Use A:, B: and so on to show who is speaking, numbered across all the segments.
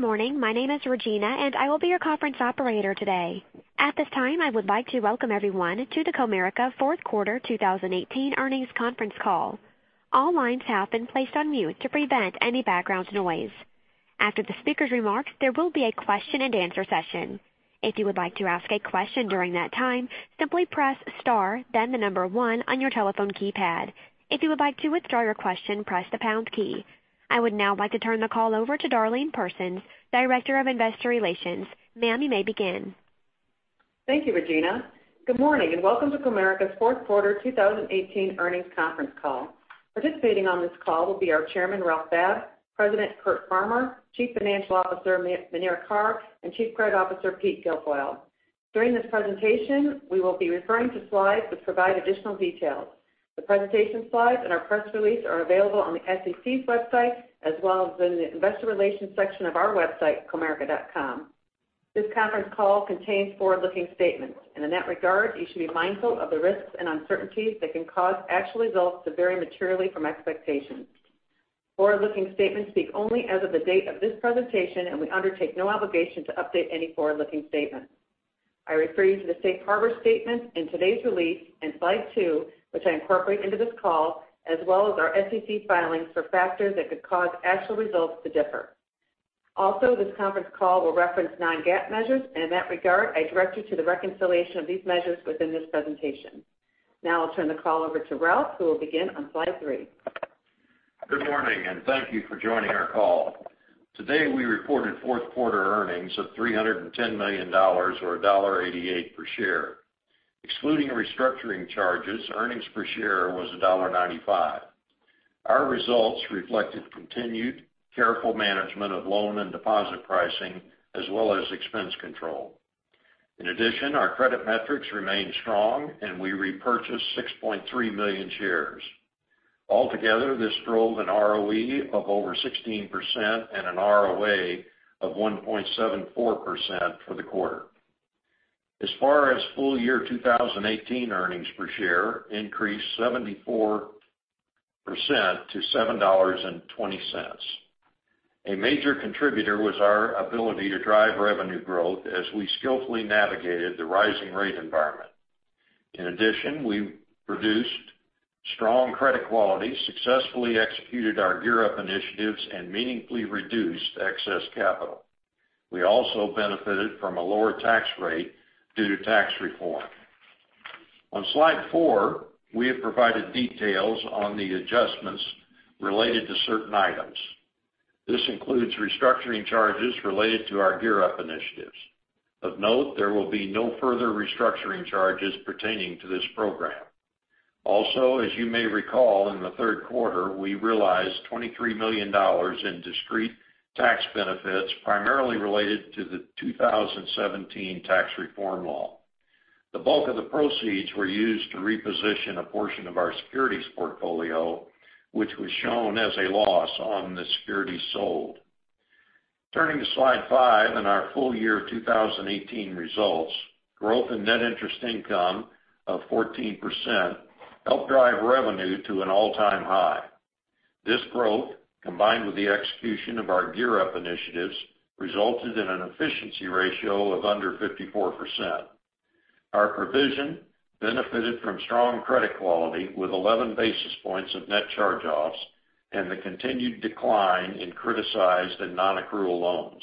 A: Good morning. My name is Regina, and I will be your conference operator today. At this time, I would like to welcome everyone to the Comerica Fourth Quarter 2018 earnings conference call. All lines have been placed on mute to prevent any background noise. After the speaker's remarks, there will be a question and answer session. If you would like to ask a question during that time, simply press star, then the number one on your telephone keypad. If you would like to withdraw your question, press the pound key. I would now like to turn the call over to Darlene Persons, Director of Investor Relations. Ma'am, you may begin.
B: Thank you, Regina. Good morning, welcome to Comerica's fourth quarter 2018 earnings conference call. Participating on this call will be our Chairman, Ralph Babb; President, Curt Farmer; Chief Financial Officer, Muneera Carr; and Chief Credit Officer, Peter Guilfoile. During this presentation, we will be referring to slides which provide additional details. The presentation slides and our press release are available on the SEC's website, as well as in the investor relations section of our website, comerica.com. This conference call contains forward-looking statements, in that regard, you should be mindful of the risks and uncertainties that can cause actual results to vary materially from expectations. Forward-looking statements speak only as of the date of this presentation, we undertake no obligation to update any forward-looking statements. I refer you to the safe harbor statements in today's release in slide two, which I incorporate into this call, as well as our SEC filings for factors that could cause actual results to differ. Also, this conference call will reference non-GAAP measures, in that regard, I direct you to the reconciliation of these measures within this presentation. Now I'll turn the call over to Ralph, who will begin on slide three.
C: Good morning, thank you for joining our call. Today, we reported fourth quarter earnings of $310 million or $1.88 per share. Excluding restructuring charges, earnings per share was $1.95. Our results reflected continued careful management of loan and deposit pricing as well as expense control. In addition, our credit metrics remained strong, we repurchased 6.3 million shares. Altogether, this drove an ROE of over 16% and an ROA of 1.74% for the quarter. As far as full year 2018 earnings per share increased 74% to $7.20. A major contributor was our ability to drive revenue growth as we skillfully navigated the rising rate environment. In addition, we produced strong credit quality, successfully executed our GEAR Up initiatives, meaningfully reduced excess capital. We also benefited from a lower tax rate due to tax reform. On slide four, we have provided details on the adjustments related to certain items. This includes restructuring charges related to our GEAR Up initiatives. Of note, there will be no further restructuring charges pertaining to this program. As you may recall, in the third quarter, we realized $23 million in discrete tax benefits, primarily related to the 2017 tax reform law. The bulk of the proceeds were used to reposition a portion of our securities portfolio, which was shown as a loss on the securities sold. Turning to slide five in our full year 2018 results, growth in net interest income of 14% helped drive revenue to an all-time high. This growth, combined with the execution of our GEAR Up initiatives, resulted in an efficiency ratio of under 54%. Our provision benefited from strong credit quality with 11 basis points of net charge-offs and the continued decline in criticized and non-accrual loans.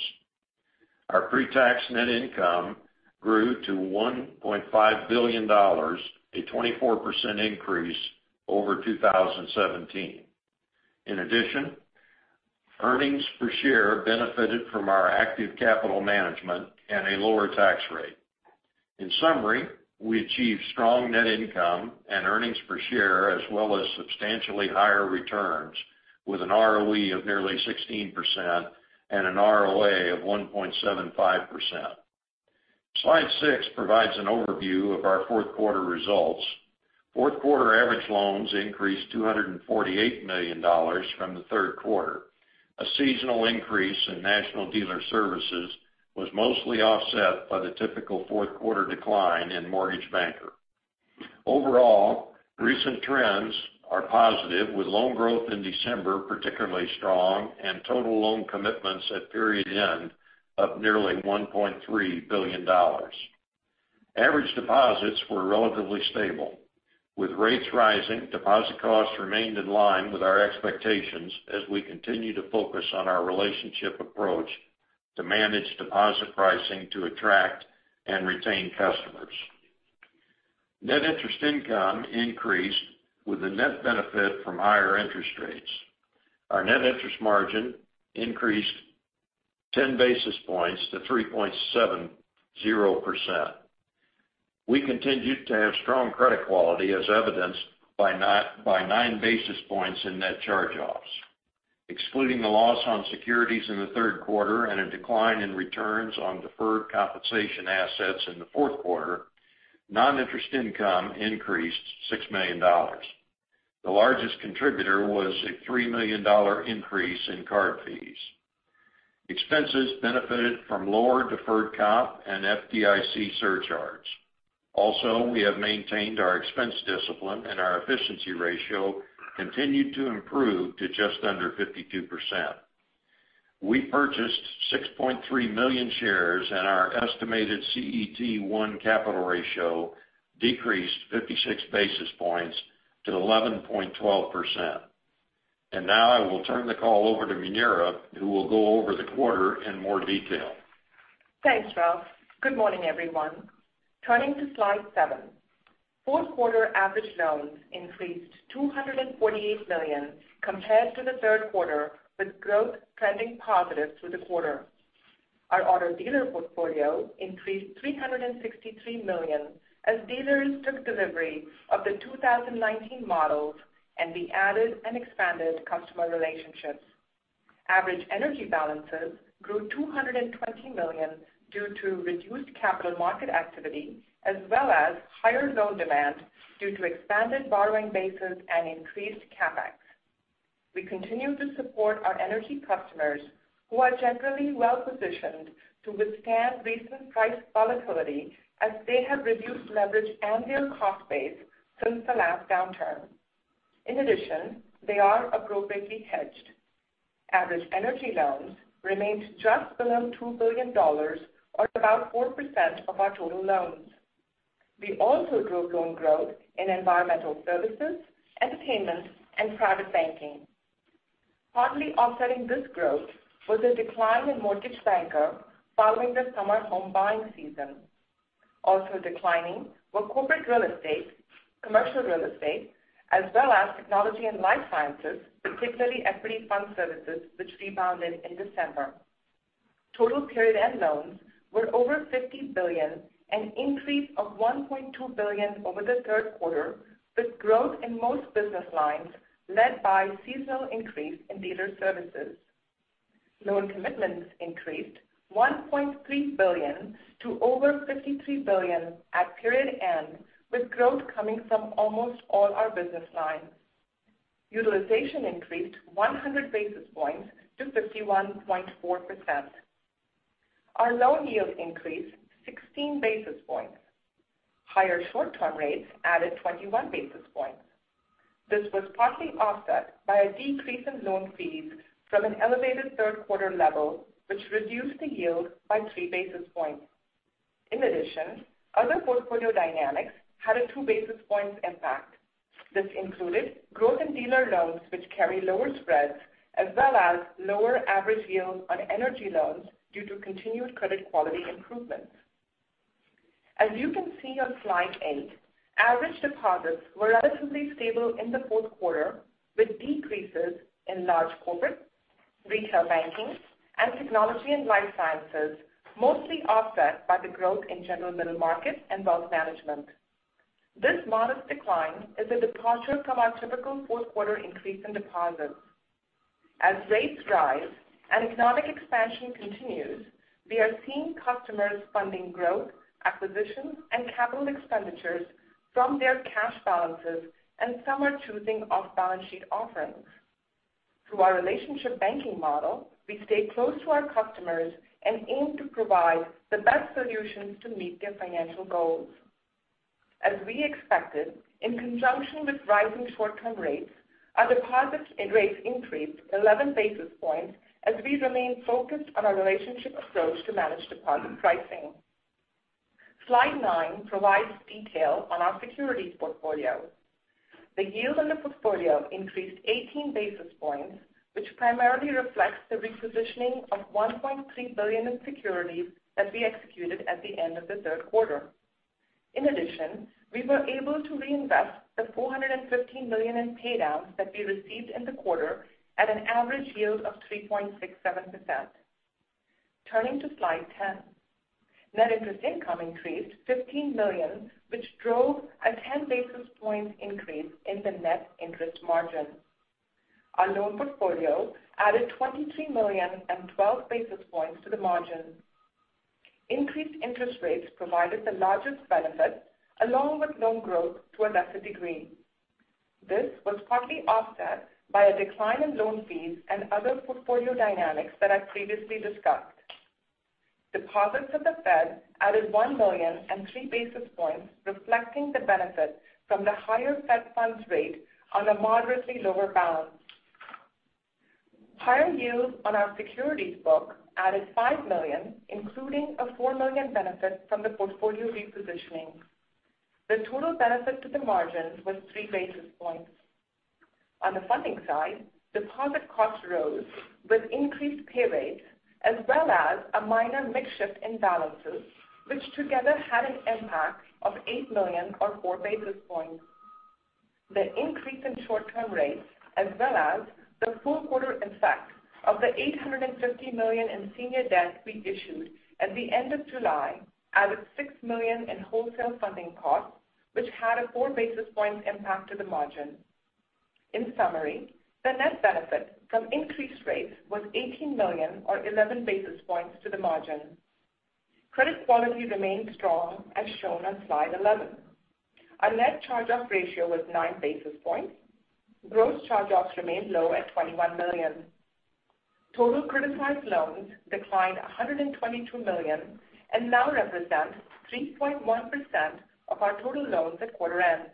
C: Our pre-tax net income grew to $1.5 billion, a 24% increase over 2017. In addition, earnings per share benefited from our active capital management and a lower tax rate. In summary, we achieved strong net income and earnings per share as well as substantially higher returns with an ROE of nearly 16% and an ROA of 1.75%. Slide six provides an overview of our fourth quarter results. Fourth quarter average loans increased $248 million from the third quarter. A seasonal increase in National Dealer Services was mostly offset by the typical fourth quarter decline in Mortgage Banker. Overall, recent trends are positive with loan growth in December particularly strong and total loan commitments at period end up nearly $1.3 billion. Average deposits were relatively stable. With rates rising, deposit costs remained in line with our expectations as we continue to focus on our relationship approach to manage deposit pricing to attract and retain customers. Net interest income increased with the net benefit from higher interest rates. Our net interest margin increased 10 basis points to 3.70%. We continued to have strong credit quality as evidenced by nine basis points in net charge-offs. Excluding the loss on securities in the third quarter and a decline in returns on deferred compensation assets in the fourth quarter, non-interest income increased $6 million. The largest contributor was a $3 million increase in card fees. Expenses benefited from lower deferred comp and FDIC surcharges. We have maintained our expense discipline and our efficiency ratio continued to improve to just under 52%. We purchased 6.3 million shares and our estimated CET1 capital ratio decreased 56 basis points to 11.12%. I will turn the call over to Muneera, who will go over the quarter in more detail.
D: Thanks, Ralph. Good morning, everyone. Turning to slide seven. Fourth quarter average loans increased $248 million compared to the third quarter, with growth trending positive through the quarter. Our auto dealer portfolio increased $363 million as dealers took delivery of the 2019 models, and we added and expanded customer relationships. Average energy balances grew $220 million due to reduced capital market activity, as well as higher loan demand due to expanded borrowing bases and increased CapEx. We continue to support our energy customers, who are generally well-positioned to withstand recent price volatility as they have reduced leverage and their cost base since the last downturn. In addition, they are appropriately hedged. Average energy loans remained just below $2 billion or about 4% of our total loans. We also drove loan growth in environmental services, entertainment and private banking. Partly offsetting this growth was a decline in Mortgage Banker following the summer home buying season. Also declining were corporate real estate, commercial real estate, as well as technology and life sciences, particularly equity fund services, which rebounded in December. Total period end loans were over $50 billion, an increase of $1.2 billion over the third quarter, with growth in most business lines led by seasonal increase in dealer services. Loan commitments increased $1.3 billion to over $53 billion at period end, with growth coming from almost all our business lines. Utilization increased 100 basis points to 51.4%. Our loan yields increased 16 basis points. Higher short-term rates added 21 basis points. This was partly offset by a decrease in loan fees from an elevated third quarter level, which reduced the yield by 3 basis points. In addition, other portfolio dynamics had a 2 basis points impact. This included growth in dealer loans which carry lower spreads, as well as lower average yields on energy loans due to continued credit quality improvements. As you can see on slide eight, average deposits were relatively stable in the fourth quarter, with decreases in large corporate, retail banking, and technology and life sciences, mostly offset by the growth in general middle market and wealth management. This modest decline is a departure from our typical fourth quarter increase in deposits. As rates rise and economic expansion continues, we are seeing customers funding growth, acquisitions, and capital expenditures from their cash balances, and some are choosing off-balance sheet offerings. Through our relationship banking model, we stay close to our customers and aim to provide the best solutions to meet their financial goals. As we expected, in conjunction with rising short-term rates, our deposits and rates increased 11 basis points as we remain focused on our relationship approach to manage deposit pricing. Slide nine provides detail on our securities portfolio. The yield on the portfolio increased 18 basis points, which primarily reflects the repositioning of $1.3 billion in securities that we executed at the end of the third quarter. In addition, we were able to reinvest the $415 million in pay downs that we received in the quarter at an average yield of 3.67%. Turning to slide 10. Net interest income increased $15 million, which drove a 10 basis points increase in the net interest margin. Our loan portfolio added $23 million and 12 basis points to the margin. Increased interest rates provided the largest benefit, along with loan growth to a lesser degree. This was partly offset by a decline in loan fees and other portfolio dynamics that I previously discussed. Deposits with the Fed added $1 million and three basis points, reflecting the benefit from the higher Fed funds rate on a moderately lower balance. Higher yields on our securities book added $5 million, including a $4 million benefit from the portfolio repositioning. The total benefit to the margins was three basis points. On the funding side, deposit costs rose with increased pay rates, as well as a minor mix shift in balances, which together had an impact of $8 million or four basis points. The increase in short-term rates, as well as the full quarter effect of the $850 million in senior debt we issued at the end of July, added $6 million in wholesale funding costs, which had a four basis points impact to the margin. In summary, the net benefit from increased rates was $18 million or 11 basis points to the margin. Credit quality remained strong, as shown on slide 11. Our net charge-off ratio was nine basis points. Gross charge-offs remained low at $21 million. Total criticized loans declined $122 million and now represent 3.1% of our total loans at quarter end.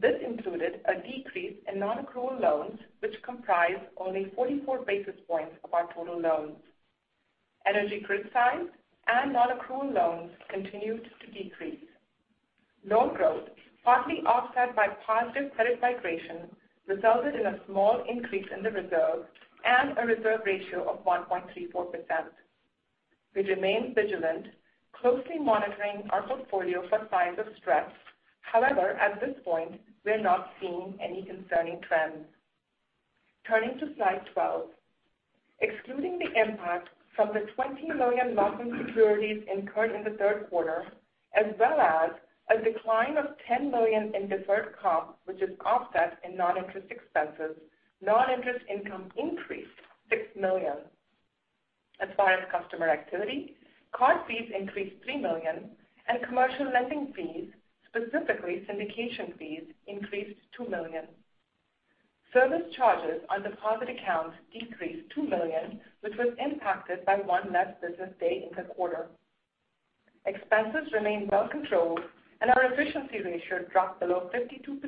D: This included a decrease in non-accrual loans, which comprise only 44 basis points of our total loans. Energy criticized and non-accrual loans continued to decrease. Loan growth, partly offset by positive credit migration, resulted in a small increase in the reserve and a reserve ratio of 1.34%. We remain vigilant, closely monitoring our portfolio for signs of stress. However, at this point, we're not seeing any concerning trends. Turning to slide 12. Excluding the impact from the $20 million loss in securities incurred in the third quarter, as well as a decline of $10 million in deferred comp, which is offset in non-interest expenses, non-interest income increased $6 million. As far as customer activity, card fees increased $3 million and commercial lending fees, specifically syndication fees, increased $2 million. Service charges on deposit accounts decreased $2 million, which was impacted by one less business day in the quarter. Expenses remained well controlled, and our efficiency ratio dropped below 52%,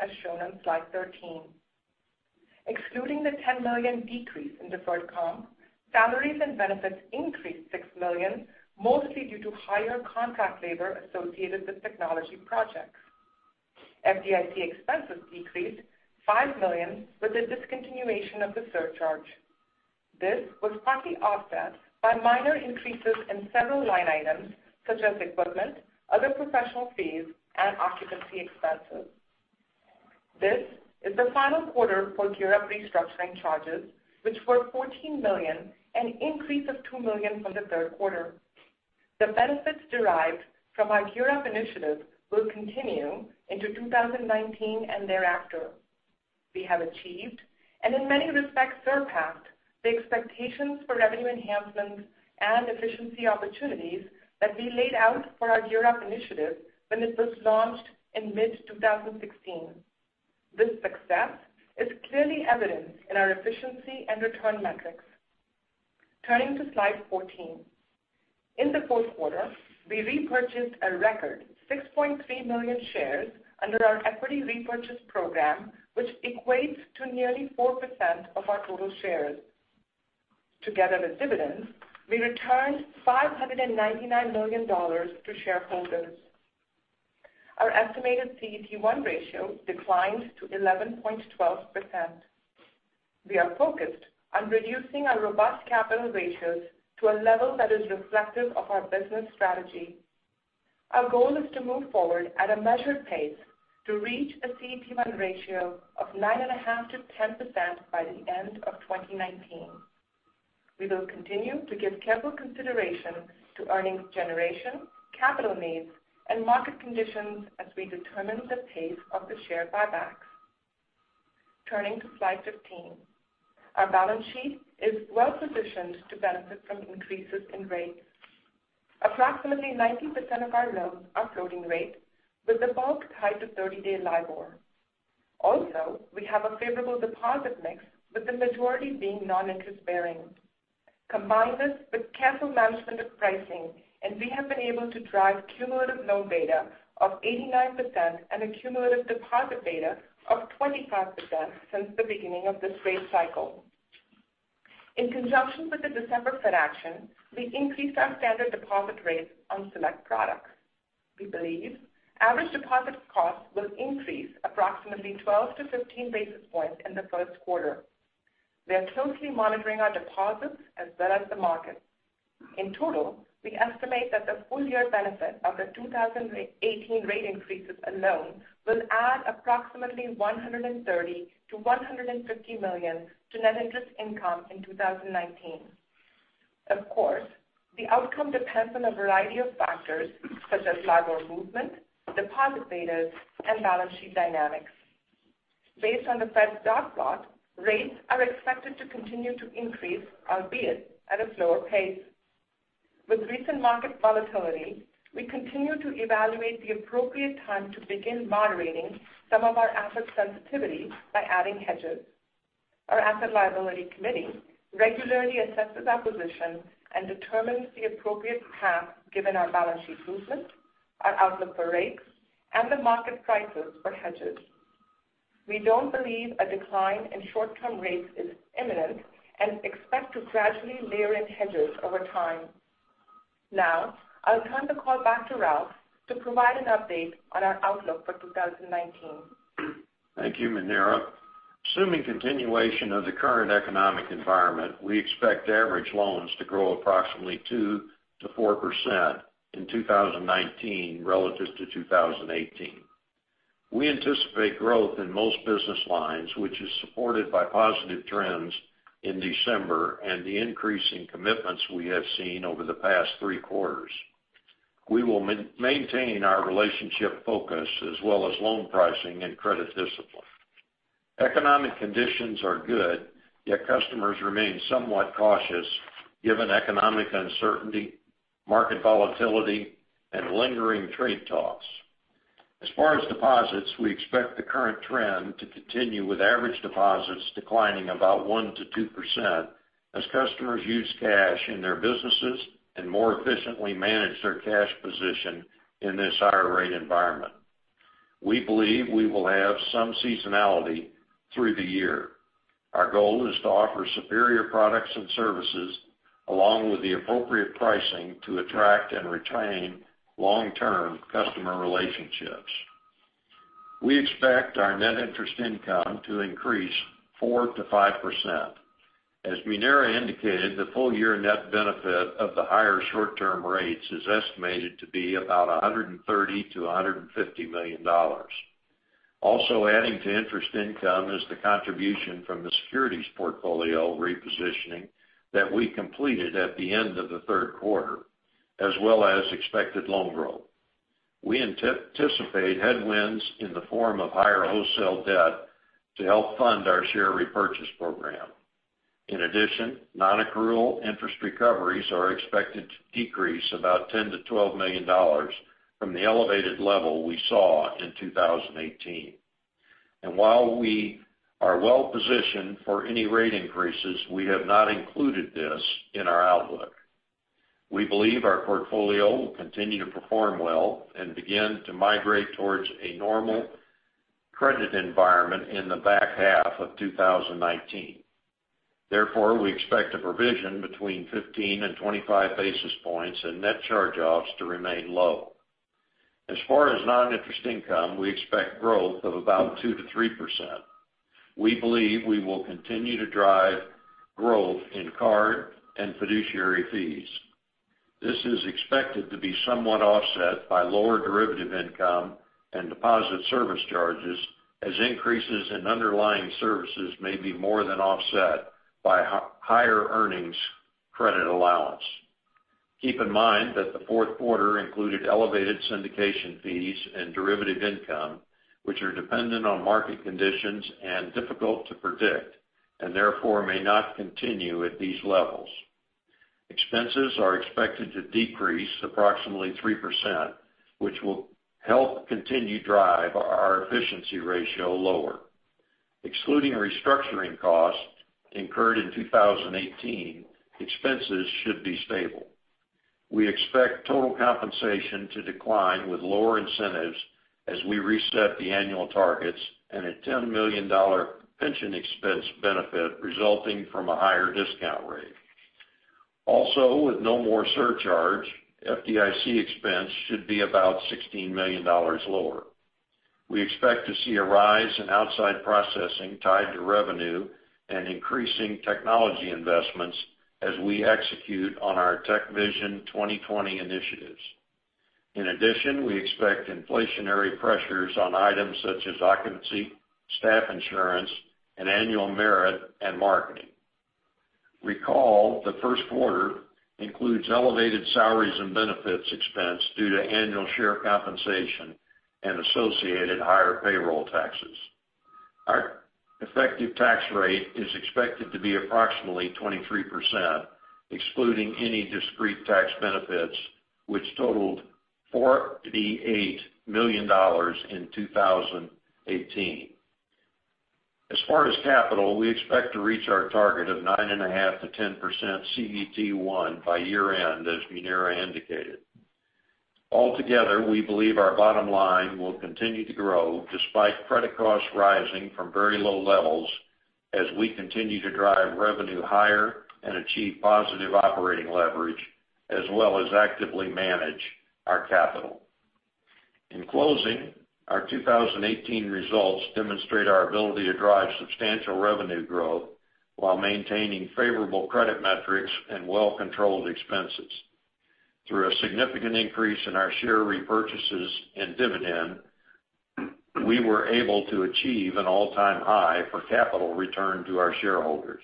D: as shown on slide 13. Excluding the $10 million decrease in deferred comp, salaries and benefits increased $6 million, mostly due to higher contract labor associated with technology projects. FDIC expenses decreased $5 million with the discontinuation of the surcharge. This was partly offset by minor increases in several line items such as equipment, other professional fees, and occupancy expenses. This is the final quarter for GEAR Up restructuring charges, which were $14 million, an increase of $2 million from the third quarter. The benefits derived from our GEAR Up initiative will continue into 2019 and thereafter. We have achieved, and in many respects surpassed, the expectations for revenue enhancements and efficiency opportunities that we laid out for our GEAR Up initiative when it was launched in mid-2016. This success is clearly evident in our efficiency and return metrics. Turning to slide 14. In the fourth quarter, we repurchased a record 6.3 million shares under our equity repurchase program, which equates to nearly 4% of our total shares. Together with dividends, we returned $599 million to shareholders. Our estimated CET1 ratio declined to 11.12%. We are focused on reducing our robust capital ratios to a level that is reflective of our business strategy. Our goal is to move forward at a measured pace to reach a CET1 ratio of 9.5%-10% by the end of 2019. We will continue to give careful consideration to earnings generation, capital needs, and market conditions as we determine the pace of the share buybacks. Turning to slide 15. Our balance sheet is well positioned to benefit from increases in rates. Approximately 90% of our loans are floating rate, with the bulk tied to 30-day LIBOR. Also, we have a favorable deposit mix, with the majority being non-interest bearing. Combine this with careful management of pricing, and we have been able to drive cumulative loan beta of 89% and a cumulative deposit beta of 25% since the beginning of this rate cycle. In conjunction with the December Fed action, we increased our standard deposit rates on select products. We believe average deposit costs will increase approximately 12 basis points-15 basis points in the first quarter. We are closely monitoring our deposits as well as the market. In total, we estimate that the full-year benefit of the 2018 rate increases alone will add approximately $130 million-$150 million to net interest income in 2019. Of course, the outcome depends on a variety of factors, such as LIBOR movement, deposit betas, and balance sheet dynamics. Based on the Fed's dot plot, rates are expected to continue to increase, albeit at a slower pace. With recent market volatility, we continue to evaluate the appropriate time to begin moderating some of our asset sensitivity by adding hedges. Our asset liability committee regularly assesses our position and determines the appropriate path given our balance sheet movement, our outlook for rates, and the market prices for hedges. We don't believe a decline in short-term rates is imminent and expect to gradually layer in hedges over time. Now, I'll turn the call back to Ralph to provide an update on our outlook for 2019.
C: Thank you, Muneera. Assuming continuation of the current economic environment, we expect average loans to grow approximately 2%-4% in 2019 relative to 2018. We anticipate growth in most business lines, which is supported by positive trends in December and the increase in commitments we have seen over the past three quarters. We will maintain our relationship focus as well as loan pricing and credit discipline. Economic conditions are good, yet customers remain somewhat cautious given economic uncertainty, market volatility, and lingering trade talks. As far as deposits, we expect the current trend to continue, with average deposits declining about 1%-2% as customers use cash in their businesses and more efficiently manage their cash position in this higher rate environment. We believe we will have some seasonality through the year. Our goal is to offer superior products and services along with the appropriate pricing to attract and retain long-term customer relationships. We expect our net interest income to increase 4%-5%. As Muneera indicated, the full-year net benefit of the higher short-term rates is estimated to be about $130 million-$150 million. Also adding to interest income is the contribution from the securities portfolio repositioning that we completed at the end of the third quarter, as well as expected loan growth. We anticipate headwinds in the form of higher wholesale debt to help fund our share repurchase program. In addition, non-accrual interest recoveries are expected to decrease about $10 million-$12 million from the elevated level we saw in 2018. While we are well-positioned for any rate increases, we have not included this in our outlook. We believe our portfolio will continue to perform well and begin to migrate towards a normal credit environment in the back half of 2019. Therefore, we expect a provision between 15 basis points and 25 basis points and net charge-offs to remain low. As far as non-interest income, we expect growth of about 2%-3%. We believe we will continue to drive growth in card and fiduciary fees. This is expected to be somewhat offset by lower derivative income and deposit service charges, as increases in underlying services may be more than offset by higher earnings credit allowance. Keep in mind that the fourth quarter included elevated syndication fees and derivative income, which are dependent on market conditions and difficult to predict and therefore may not continue at these levels. Expenses are expected to decrease approximately 3%, which will help continue drive our efficiency ratio lower. Excluding restructuring costs incurred in 2018, expenses should be stable. We expect total compensation to decline with lower incentives as we reset the annual targets and a $10 million pension expense benefit resulting from a higher discount rate. Also, with no more surcharge, FDIC expense should be about $16 million lower. We expect to see a rise in outside processing tied to revenue and increasing technology investments as we execute on our Tech Vision 2020 initiatives. In addition, we expect inflationary pressures on items such as occupancy, staff insurance, and annual merit, and marketing. Recall, the first quarter includes elevated salaries and benefits expense due to annual share compensation and associated higher payroll taxes. Our effective tax rate is expected to be approximately 23%, excluding any discrete tax benefits, which totaled $48 million in 2018. As far as capital, we expect to reach our target of 9.5%-10% CET1 by year-end, as Muneera indicated. Altogether, we believe our bottom line will continue to grow despite credit costs rising from very low levels as we continue to drive revenue higher and achieve positive operating leverage, as well as actively manage our capital. In closing, our 2018 results demonstrate our ability to drive substantial revenue growth while maintaining favorable credit metrics and well-controlled expenses. Through a significant increase in our share repurchases and dividend, we were able to achieve an all-time high for capital return to our shareholders.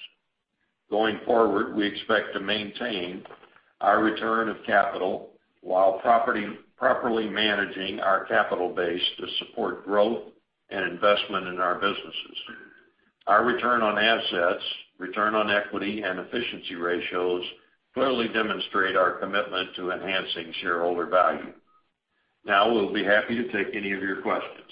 C: Going forward, we expect to maintain our return of capital while properly managing our capital base to support growth and investment in our businesses. Our return on assets, return on equity, and efficiency ratios clearly demonstrate our commitment to enhancing shareholder value. Now, we'll be happy to take any of your questions.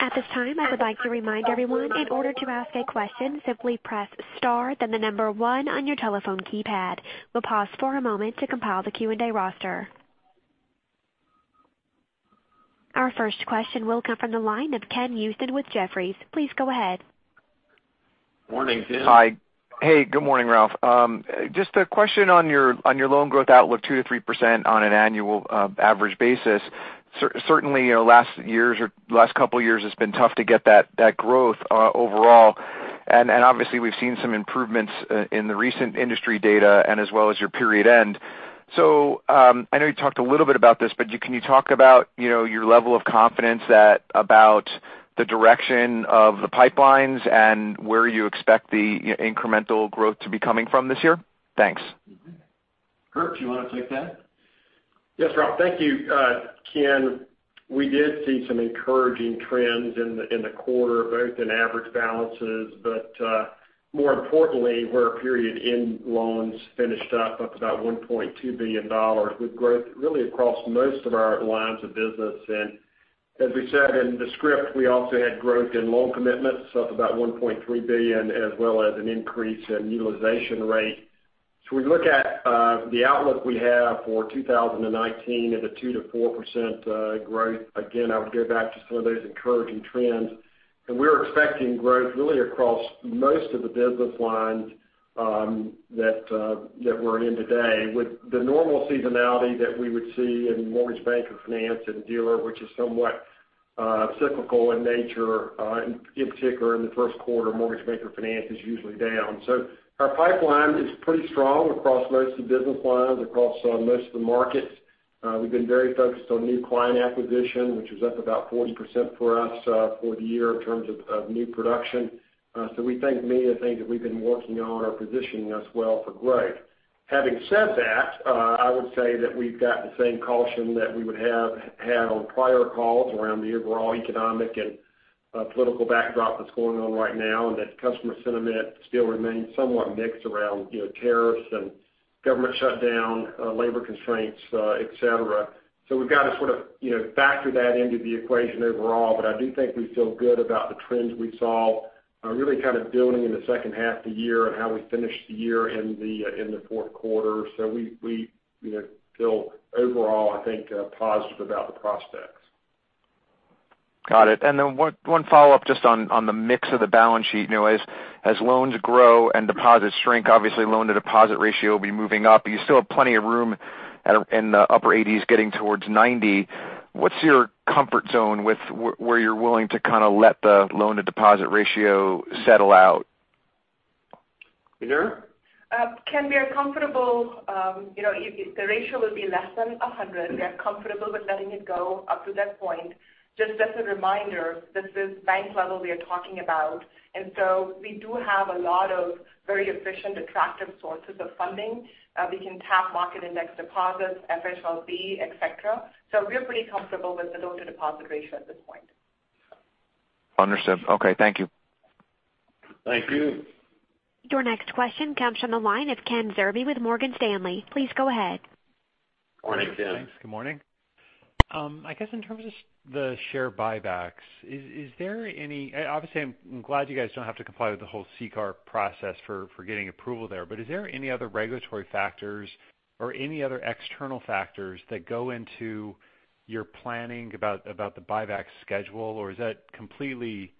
A: At this time, I would like to remind everyone, in order to ask a question, simply press star then the number one on your telephone keypad. We'll pause for a moment to compile the Q&A roster. Our first question will come from the line of Ken Usdin with Jefferies. Please go ahead.
C: Morning, Ken.
E: Hi. Hey, good morning, Ralph. Just a question on your loan growth outlook, 2%-3% on an annual average basis. Certainly, last couple of years, it's been tough to get that growth overall, and obviously, we've seen some improvements in the recent industry data and as well as your period end. I know you talked a little bit about this, but can you talk about your level of confidence about the direction of the pipelines and where you expect the incremental growth to be coming from this year? Thanks.
C: Curt, do you want to take that?
F: Yes, Ralph. Thank you, Ken. We did see some encouraging trends in the quarter, both in average balances, but more importantly, where period-end loans finished up about $1.2 billion with growth really across most of our lines of business. As we said in the script, we also had growth in loan commitments of about $1.3 billion, as well as an increase in utilization rate. We look at the outlook we have for 2019 at a 2%-4% growth. Again, I would go back to some of those encouraging trends. We're expecting growth really across most of the business lines that we're in today. With the normal seasonality that we would see in mortgage banker finance and dealer, which is somewhat cyclical in nature, in particular in the first quarter, mortgage banker finance is usually down. Our pipeline is pretty strong across most of the business lines, across most of the markets. We've been very focused on new client acquisition, which was up about 40% for us for the year in terms of new production. We think many of the things that we've been working on are positioning us well for growth. Having said that, I would say that we've got the same caution that we would have had on prior calls around the overall economic and political backdrop that's going on right now, and that customer sentiment still remains somewhat mixed around tariffs and government shutdown, labor constraints, et cetera. We've got to sort of factor that into the equation overall. I do think we feel good about the trends we saw really kind of building in the second half of the year and how we finished the year in the fourth quarter. We feel overall, I think, positive about the prospects.
E: Got it. One follow-up just on the mix of the balance sheet. As loans grow and deposits shrink, obviously loan to deposit ratio will be moving up, but you still have plenty of room in the upper 80s getting towards 90. What's your comfort zone with where you're willing to kind of let the loan to deposit ratio settle out?
C: Muneera?
D: Ken, if the ratio will be less than 100, we are comfortable with letting it go up to that point. Just as a reminder, this is bank level we are talking about. We do have a lot of very efficient, attractive sources of funding. We can tap market index deposits, FHLB, et cetera. We're pretty comfortable with the loan to deposit ratio at this point.
E: Understood. Okay. Thank you.
C: Thank you.
A: Your next question comes from the line of Kenneth Zerbe with Morgan Stanley. Please go ahead.
C: Morning, Ken.
G: Thanks. Good morning. I guess in terms of the share buybacks, obviously, I'm glad you guys don't have to comply with the whole CCAR process for getting approval there. Is there any other regulatory factors or any other external factors that go into your planning about the buyback schedule, or is that completely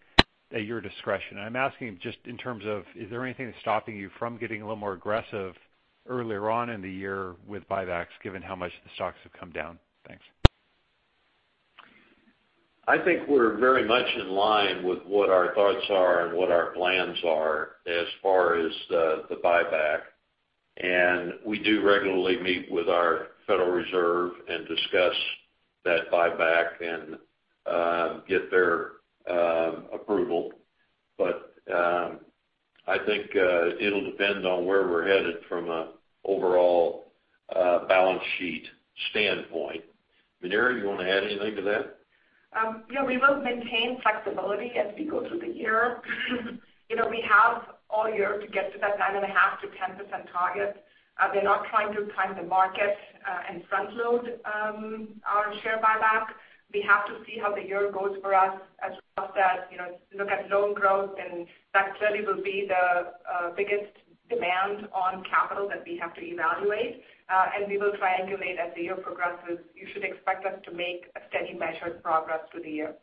G: at your discretion? I'm asking just in terms of, is there anything that's stopping you from getting a little more aggressive earlier on in the year with buybacks, given how much the stocks have come down? Thanks.
C: I think we're very much in line with what our thoughts are and what our plans are as far as the buyback. We do regularly meet with our Federal Reserve and discuss that buyback and get their approval. I think it'll depend on where we're headed from an overall balance sheet standpoint. Muneera, you want to add anything to that?
D: Yeah, we will maintain flexibility as we go through the year. We have all year to get to that 9.5%-10% target. We're not trying to time the market and front-load our share buyback. We have to see how the year goes for us as well as look at loan growth, that clearly will be the biggest demand on capital that we have to evaluate. We will triangulate as the year progresses. You should expect us to make a steady measured progress through the year.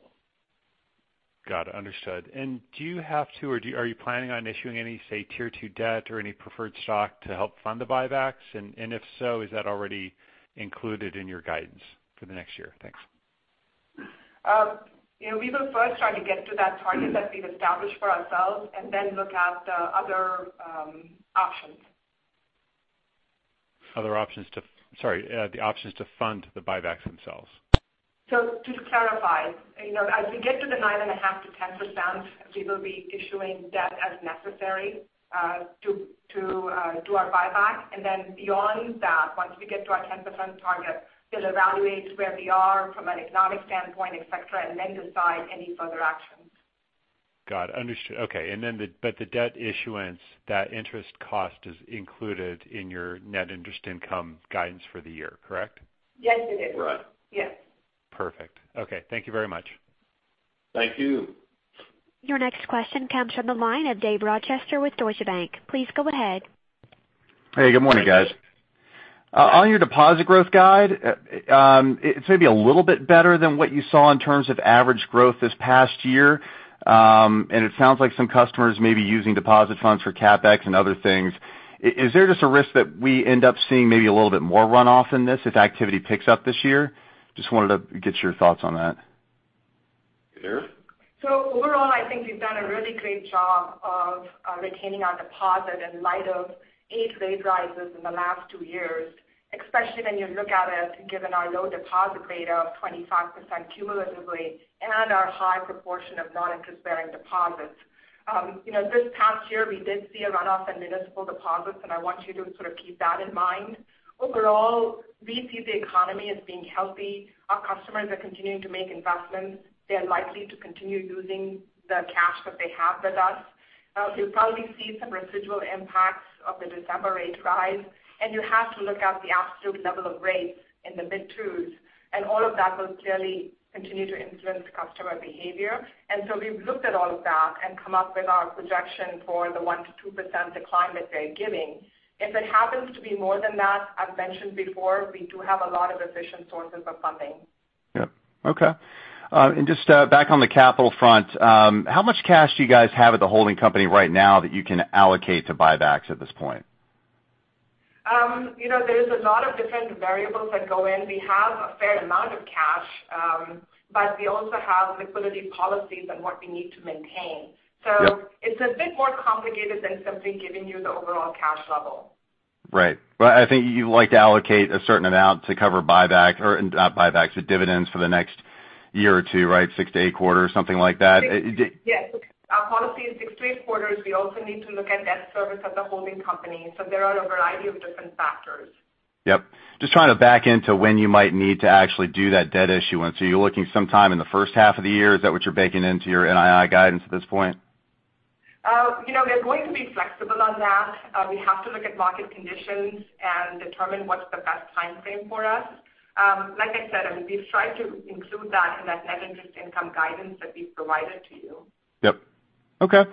G: Got it. Understood. Do you have to, or are you planning on issuing any, say, Tier two debt or any preferred stock to help fund the buybacks? If so, is that already included in your guidance for the next year? Thanks.
D: We will first try to get to that target that we've established for ourselves and then look at the other options.
G: Other options to Sorry, the options to fund the buybacks themselves.
D: To clarify, as we get to the 9.5%-10%, we will be issuing debt as necessary to do our buyback. Beyond that, once we get to our 10% target, we'll evaluate where we are from an economic standpoint, et cetera, and then decide any further actions.
G: Got it. Understood. Okay. The debt issuance, that interest cost is included in your net interest income guidance for the year, correct?
D: Yes, it is.
C: Right.
D: Yes.
G: Perfect. Okay. Thank you very much.
C: Thank you.
A: Your next question comes from the line of David Rochester with Deutsche Bank. Please go ahead.
H: Hey, good morning, guys. On your deposit growth guide, it's maybe a little bit better than what you saw in terms of average growth this past year. It sounds like some customers may be using deposit funds for CapEx and other things. Is there just a risk that we end up seeing maybe a little bit more runoff in this if activity picks up this year? Just wanted to get your thoughts on that.
C: Muneera?
D: Overall, I think we've done a really great job of retaining our deposit in light of eight rate rises in the last two years. Especially when you look at it, given our low deposit rate of 25% cumulatively and our high proportion of non-interest-bearing deposits. This past year, we did see a runoff in municipal deposits, and I want you to sort of keep that in mind. Overall, we see the economy as being healthy. Our customers are continuing to make investments. They're likely to continue using the cash that they have with us. You'll probably see some residual impacts of the December rate rise, and you have to look at the absolute level of rates in the mid twos, and all of that will clearly continue to influence customer behavior. We've looked at all of that and come up with our projection for the 1% to 2% decline that we're giving. If it happens to be more than that, I've mentioned before, we do have a lot of efficient sources of funding.
H: Yep. Okay. Just back on the capital front, how much cash do you guys have at the holding company right now that you can allocate to buybacks at this point?
D: There's a lot of different variables that go in. We have a fair amount of cash, but we also have liquidity policies and what we need to maintain.
H: Yep. It's a bit more complicated than simply giving you the overall cash level. Right. I think you like to allocate a certain amount to cover buyback, or not buybacks, but dividends for the next year or two, right? Six to eight quarters, something like that.
D: Yes. Our policy is six to eight quarters. We also need to look at debt service at the holding company. There are a variety of different factors.
H: Yep. Just trying to back into when you might need to actually do that debt issuance. Are you looking sometime in the first half of the year? Is that what you're baking into your NII guidance at this point?
D: We're going to be flexible on that. We have to look at market conditions and determine what's the best timeframe for us. Like I said, we've tried to include that in that net interest income guidance that we've provided to you.
H: Yep. Okay.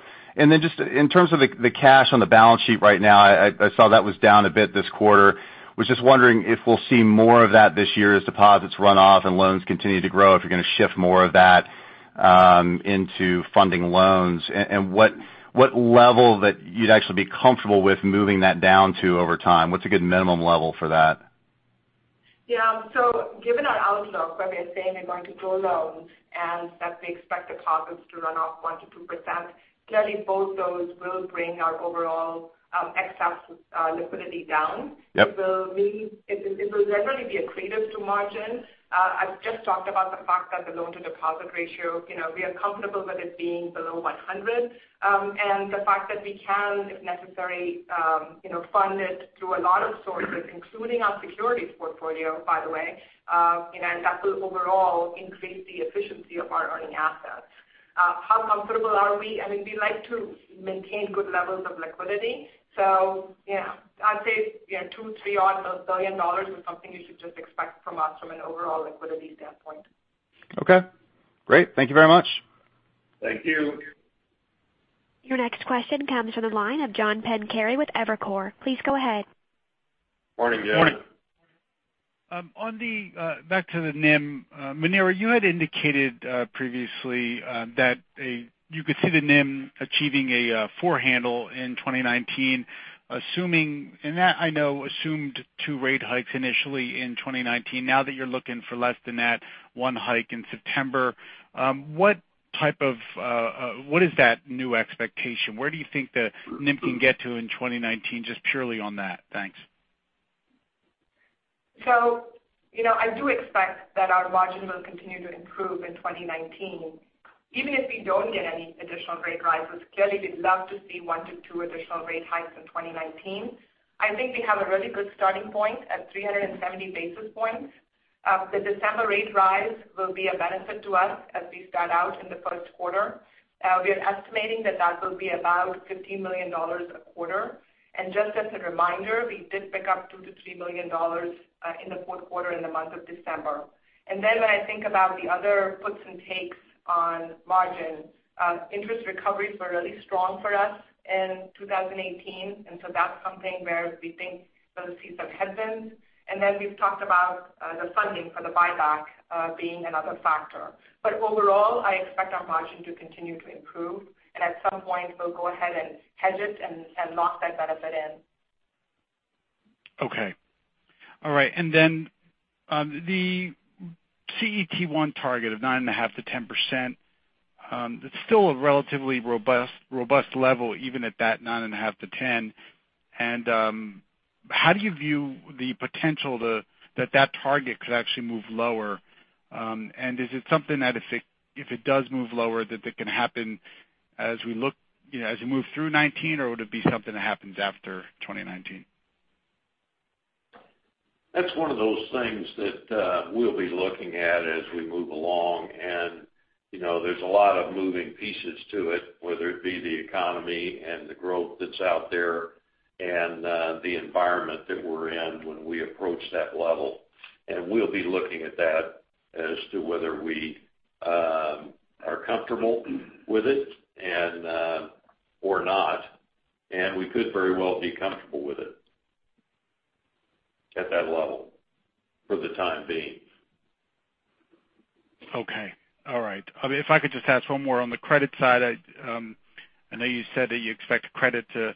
H: Just in terms of the cash on the balance sheet right now, I saw that was down a bit this quarter. Was just wondering if we'll see more of that this year as deposits run off and loans continue to grow, if you're going to shift more of that into funding loans. What level that you'd actually be comfortable with moving that down to over time. What's a good minimum level for that?
D: Yeah. Given our outlook, where we're saying we're going to grow loans and that we expect deposits to run off 1%-2%, clearly both those will bring our overall excess liquidity down.
H: Yep.
D: It will generally be accretive to margin. I've just talked about the fact that the loan-to-deposit ratio, we are comfortable with it being below 100. The fact that we can, if necessary fund it through a lot of sources, including our securities portfolio, by the way. That will overall increase the efficiency of our earning assets. How comfortable are we? We like to maintain good levels of liquidity. Yeah, I'd say $2 billion, $3 billion odd is something you should just expect from us from an overall liquidity standpoint.
H: Okay, great. Thank you very much.
C: Thank you.
A: Your next question comes from the line of John Pancari with Evercore. Please go ahead.
C: Morning, John.
I: Morning. Back to the NIM. Muneera, you had indicated previously that you could see the NIM achieving a four handle in 2019. That I know assumed 2 rate hikes initially in 2019. Now that you're looking for less than that one hike in September, what is that new expectation? Where do you think the NIM can get to in 2019, just purely on that? Thanks.
D: I do expect that our margin will continue to improve in 2019, even if we don't get any additional rate rises. Clearly, we'd love to see one to two additional rate hikes in 2019. I think we have a really good starting point at 370 basis points. The December rate rise will be a benefit to us as we start out in the first quarter. We are estimating that will be about $15 million a quarter. Just as a reminder, we did pick up $2 million-$3 million in the fourth quarter in the month of December. When I think about the other puts and takes on margin, interest recoveries were really strong for us in 2018. That's something where we think we'll see some headwinds. We've talked about the funding for the buyback being another factor. Overall, I expect our margin to continue to improve, and at some point, we'll go ahead and hedge it and lock that benefit in.
I: Okay. All right. The CET1 target of 9.5% -10%, it's still a relatively robust level even at that 9.5% -10%. How do you view the potential that target could actually move lower? Is it something that if it does move lower, that it can happen as we move through 2019, or would it be something that happens after 2019?
C: That's one of those things that we'll be looking at as we move along, there's a lot of moving pieces to it, whether it be the economy and the growth that's out there and the environment that we're in when we approach that level. We'll be looking at that as to whether we are comfortable with it or not. We could very well be comfortable with it at that level for the time being.
I: Okay. All right. If I could just ask one more on the credit side. I know you said that you expect credit to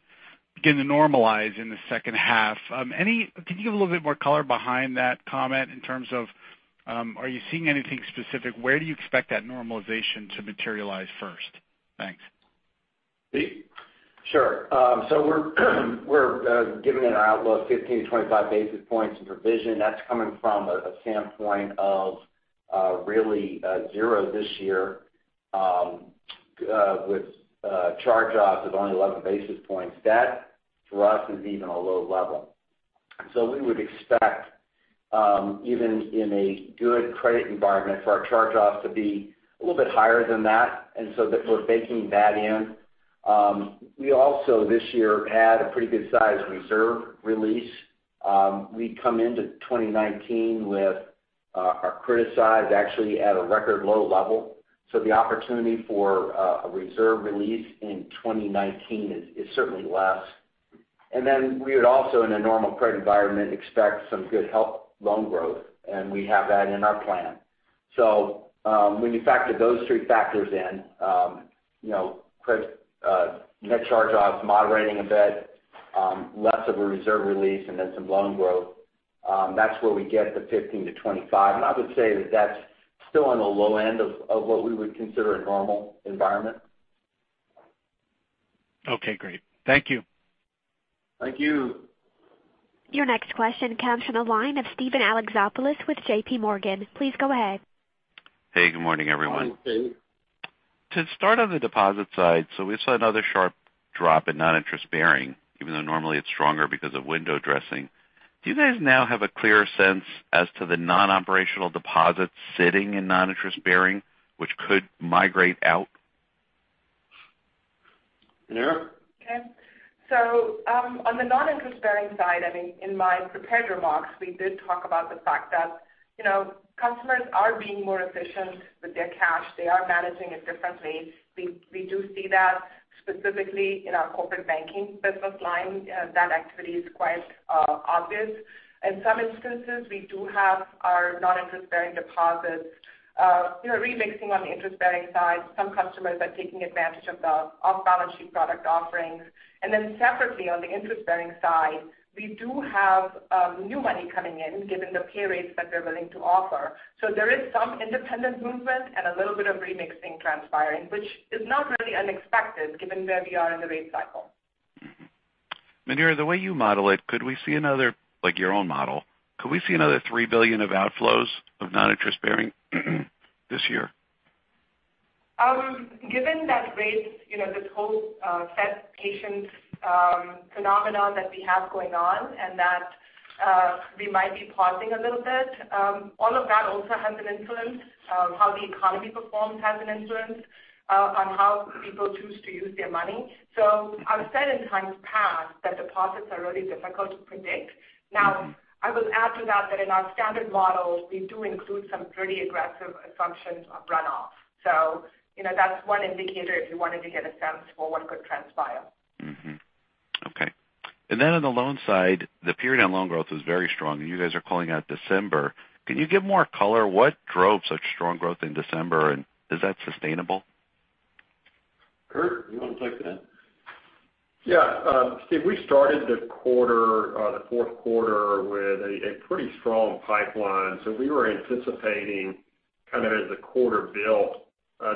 I: begin to normalize in the second half. Can you give a little bit more color behind that comment in terms of are you seeing anything specific? Where do you expect that normalization to materialize first? Thanks.
C: Pete?
J: We're giving it our outlook 15-25 basis points in provision. That's coming from a standpoint of really zero this year, with charge-offs of only 11 basis points. That, for us, is even a low level. We would expect, even in a good credit environment, for our charge-offs to be a little bit higher than that, and so that we're baking that in. We also, this year, had a pretty good size reserve release. We come into 2019 with our criticized actually at a record low level. The opportunity for a reserve release in 2019 is certainly less. We would also, in a normal credit environment, expect some good help loan growth, and we have that in our plan. When you factor those three factors in, net charge-offs moderating a bit, less of a reserve release, and then some loan growth, that's where we get the 15-25. I would say that that's still on the low end of what we would consider a normal environment.
I: Okay, great. Thank you.
J: Thank you.
A: Your next question comes from the line of Steven Alexopoulos with JPMorgan. Please go ahead.
K: Hey, good morning, everyone.
C: Hi, Steve.
K: To start on the deposit side, we saw another sharp drop in non-interest-bearing, even though normally it's stronger because of window dressing. Do you guys now have a clearer sense as to the non-operational deposits sitting in non-interest-bearing, which could migrate out?
C: Muneera?
D: Okay. On the non-interest-bearing side, in my prepared remarks, we did talk about the fact that customers are being more efficient with their cash. They are managing it differently. We do see that specifically in our corporate banking business line. That activity is quite obvious. In some instances, we do have our non-interest-bearing deposits remixing on the interest-bearing side. Some customers are taking advantage of the off-balance sheet product offerings. Separately, on the interest-bearing side, we do have new money coming in given the pay rates that we're willing to offer. There is some independent movement and a little bit of remixing transpiring, which is not really unexpected given where we are in the rate cycle.
K: Muneera, the way you model it, like your own model, could we see another $3 billion of outflows of non-interest-bearing this year?
D: Given that rates, this whole Fed patient phenomenon that we have going on and that we might be pausing a little bit, all of that also has an influence. How the economy performs has an influence on how people choose to use their money. I've said in times past that deposits are really difficult to predict. Now, I will add to that in our standard models, we do include some pretty aggressive assumptions of runoff. That's one indicator if you wanted to get a sense for what could transpire.
K: Okay. On the loan side, the period on loan growth was very strong, and you guys are calling out December. Can you give more color? What drove such strong growth in December, and is that sustainable?
C: Curt, you want to take that?
F: Steve, we started the fourth quarter with a pretty strong pipeline. We were anticipating kind of as the quarter built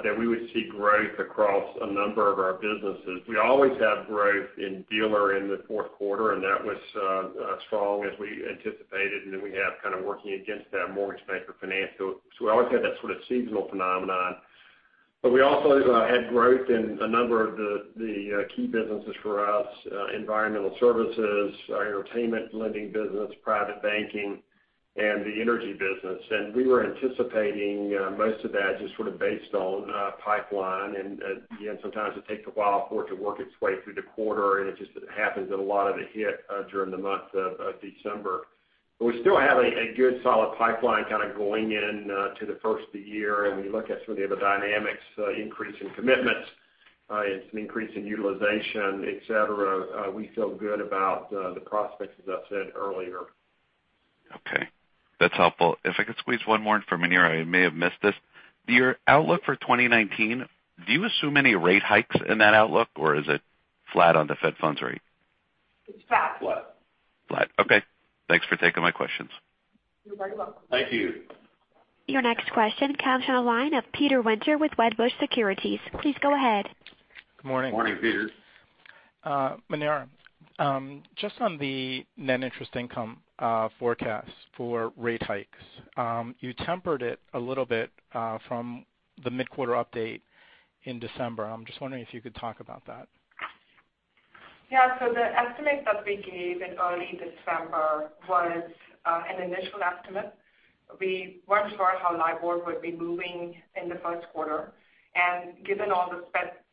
F: that we would see growth across a number of our businesses. We always have growth in Dealer in the fourth quarter, and that was as strong as we anticipated. We have kind of working against that Mortgage Banker financial. We always had that sort of seasonal phenomenon. We also had growth in a number of the key businesses for us, Environmental Services, our Entertainment Lending business, Private Banking and the Energy business. We were anticipating most of that just sort of based on pipeline. Again, sometimes it takes a while for it to work its way through the quarter, and it just happens that a lot of it hit during the month of December. We still have a good solid pipeline kind of going in to the first of the year. When you look at some of the other dynamics, increase in commitments, it's an increase in utilization, et cetera, we feel good about the prospects, as I said earlier.
K: Okay. That's helpful. If I could squeeze one more in for Muneera, I may have missed this. Your outlook for 2019, do you assume any rate hikes in that outlook, or is it flat on the Fed funds rate?
D: It's flat.
K: Flat. Okay. Thanks for taking my questions.
D: You're very welcome.
C: Thank you.
A: Your next question comes on the line of Peter Winter with Wedbush Securities. Please go ahead.
C: Good morning.
J: Morning, Peter.
L: Muneera, just on the net interest income forecast for rate hikes. You tempered it a little bit from the mid-quarter update in December. I'm just wondering if you could talk about that.
D: Yeah. The estimate that we gave in early December was an initial estimate. We weren't sure how LIBOR would be moving in the first quarter. Given all the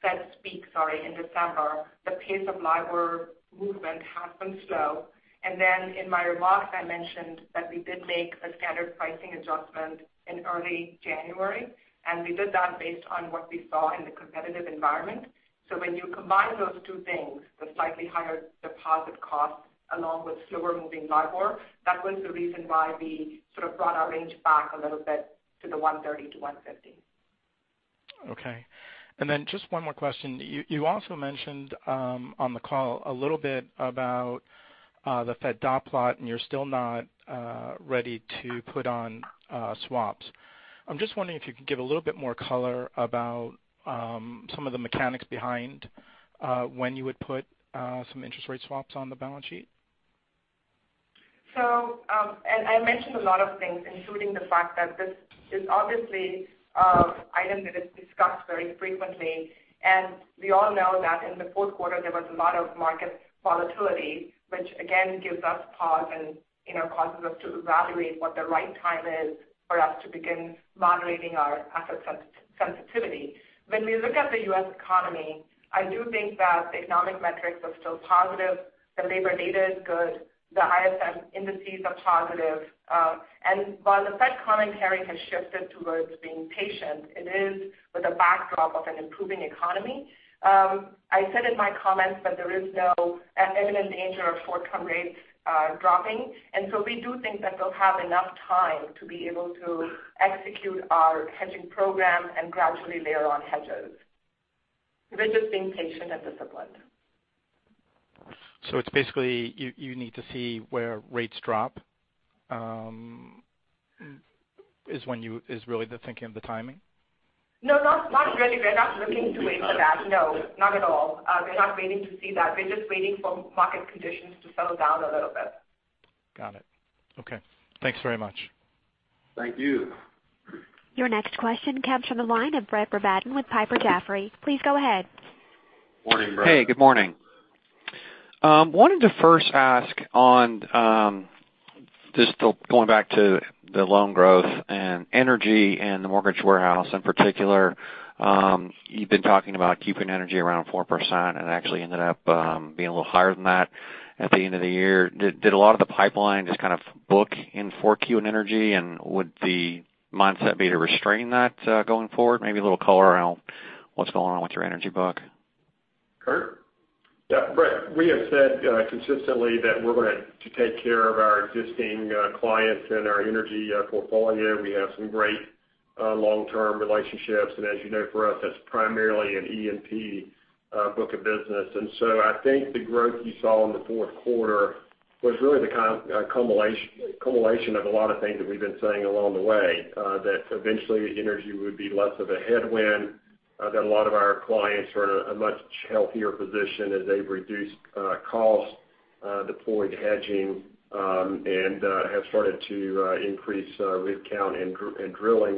D: Fed speak, sorry, in December, the pace of LIBOR movement has been slow. In my remarks, I mentioned that we did make a standard pricing adjustment in early January, and we did that based on what we saw in the competitive environment. When you combine those two things, the slightly higher deposit costs along with slower moving LIBOR, that was the reason why we sort of brought our range back a little bit to the 130 to 150.
L: Okay. Just one more question. You also mentioned on the call a little bit about the Fed dot plot and you're still not ready to put on swaps. I'm just wondering if you could give a little bit more color about some of the mechanics behind when you would put some interest rate swaps on the balance sheet.
D: I mentioned a lot of things, including the fact that this is obviously item that is discussed very frequently. We all know that in the fourth quarter, there was a lot of market volatility, which again, gives us pause and causes us to evaluate what the right time is for us to begin moderating our asset sensitivity. When we look at the U.S. economy, I do think that the economic metrics are still positive. The labor data is good. The ISM indices are positive. While the Fed commentary has shifted towards being patient, it is with a backdrop of an improving economy. I said in my comments that there is no imminent danger of short-term rates dropping. We do think that they'll have enough time to be able to execute our hedging program and gradually layer on hedges. We're just being patient and disciplined.
L: It's basically, you need to see where rates drop, is really the thinking of the timing?
D: No, not really. We're not looking to wait for that. No, not at all. We're not waiting to see that. We're just waiting for market conditions to settle down a little bit.
L: Got it. Okay. Thanks very much.
C: Thank you.
A: Your next question comes from the line of Brett Rabatin with Piper Jaffray. Please go ahead.
C: Morning, Brett.
M: Hey, good morning. Wanted to first ask on, just going back to the loan growth and energy and the mortgage warehouse in particular. You've been talking about keeping energy around 4% and it actually ended up being a little higher than that at the end of the year. Did a lot of the pipeline just kind of book in 4Q in energy, and would the mindset be to restrain that going forward? Maybe a little color around what's going on with your energy book.
C: Curt?
F: Yeah, Brett, we have said consistently that we're going to take care of our existing clients and our energy portfolio. We have some great long-term relationships. As you know, for us, that's primarily an E&P book of business. I think the growth you saw in the fourth quarter was really the kind of culmination of a lot of things that we've been saying along the way. That eventually energy would be less of a headwind. That a lot of our clients are in a much healthier position as they've reduced cost, deployed hedging, and have started to increase rig count and drilling.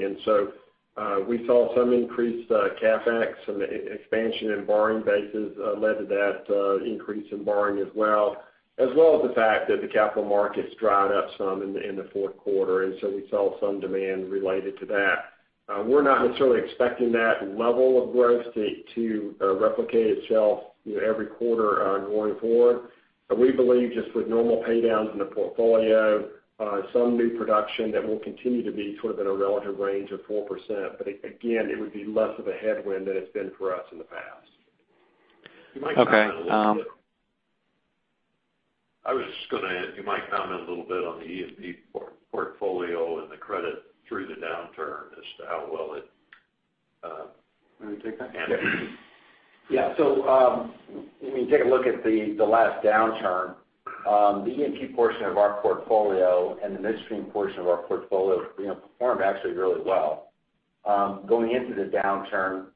F: We saw some increased CapEx and expansion in borrowing bases led to that increase in borrowing as well, as well as the fact that the capital markets dried up some in the fourth quarter. We saw some demand related to that. We're not necessarily expecting that level of growth to replicate itself every quarter going forward. We believe just with normal pay downs in the portfolio, some new production that will continue to be sort of in a relative range of 4%. Again, it would be less of a headwind than it's been for us in the past.
M: Okay.
C: You might comment a little bit.
F: You might comment a little bit on the E&P portfolio and the credit through the downturn as to how well it
J: Want me to take that?
F: Yeah.
J: When you take a look at the last downturn, the E&P portion of our portfolio and the midstream portion of our portfolio performed actually really well. Going into the downturn,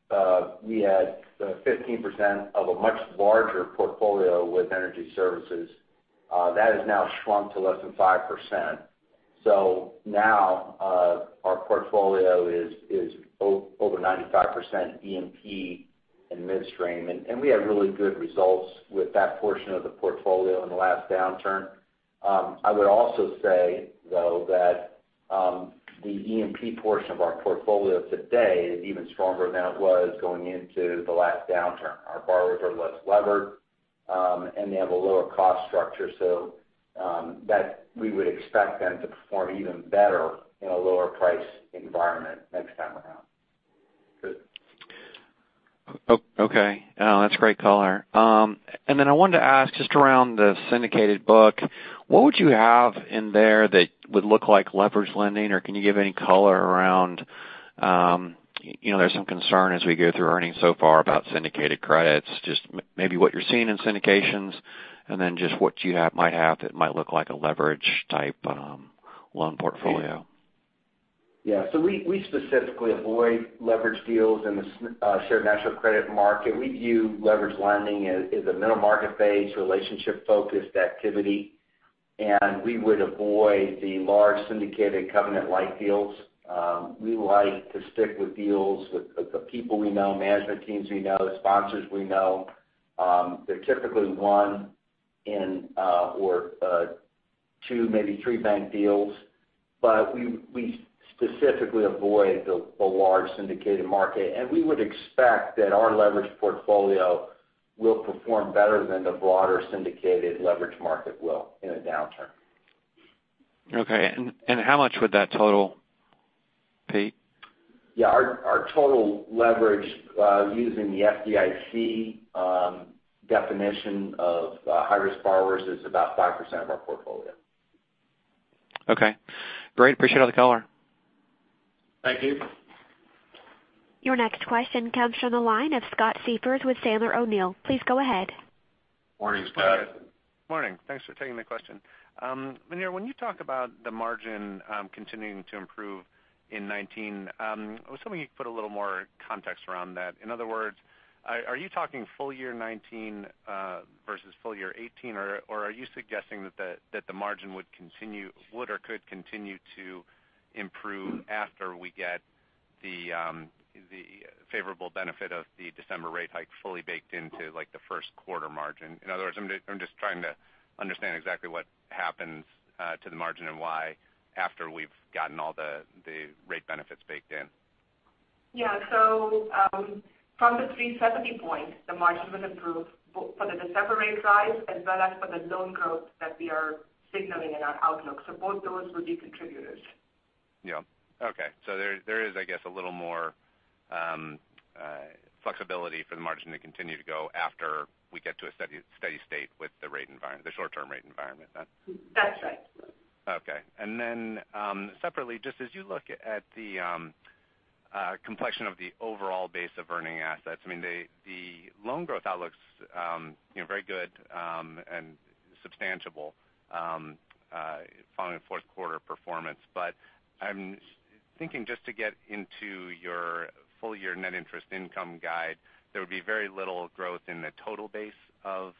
J: we had 15% of a much larger portfolio with energy services. That has now shrunk to less than 5%. Our portfolio is over 95% E&P and midstream. We had really good results with that portion of the portfolio in the last downturn. I would also say, though, that the E&P portion of our portfolio today is even stronger than it was going into the last downturn. Our borrowers are less levered, and they have a lower cost structure. That we would expect them to perform even better in a lower price environment next time around.
F: Good.
M: That's great color. I wanted to ask just around the syndicated book, what would you have in there that would look like leverage lending? Can you give any color around, there's some concern as we go through earnings so far about syndicated credits. Just maybe what you're seeing in syndications, and then just what you might have that might look like a leverage type loan portfolio.
J: We specifically avoid leverage deals in the Shared National Credit market. We view leverage lending as a middle market-based, relationship-focused activity. We would avoid the large syndicated covenant light deals. We like to stick with deals with the people we know, management teams we know, sponsors we know. They're typically one in, or two, maybe three bank deals. We specifically avoid the large syndicated market. We would expect that our leverage portfolio will perform better than the broader syndicated leverage market will in a downturn.
M: How much would that total be?
J: Yeah. Our total leverage, using the FDIC definition of high-risk borrowers, is about 5% of our portfolio.
M: Okay, great. Appreciate all the color.
C: Thank you.
A: Your next question comes from the line of Scott Siefers with Sandler O'Neill. Please go ahead.
C: Morning, Scott.
N: Morning. Thanks for taking the question. Muneera, when you talk about the margin continuing to improve in 2019, I was hoping you could put a little more context around that. In other words, are you talking full year 2019 versus full year 2018, or are you suggesting that the margin would or could continue to improve after we get the favorable benefit of the December rate hike fully baked into the first quarter margin? In other words, I'm just trying to understand exactly what happens to the margin and why, after we've gotten all the rate benefits baked in.
D: Yeah. From the 370 points, the margin will improve for the December rate rise as well as for the loan growth that we are signaling in our outlook. Both those will be contributors.
N: Yeah. Okay. There is, I guess, a little more flexibility for the margin to continue to go after we get to a steady state with the short-term rate environment.
D: That's right.
N: Separately, just as you look at the complexion of the overall base of earning assets. The loan growth outlook's very good and substantial following the fourth quarter performance. I'm thinking just to get into your full-year net interest income guide, there would be very little growth in the total base of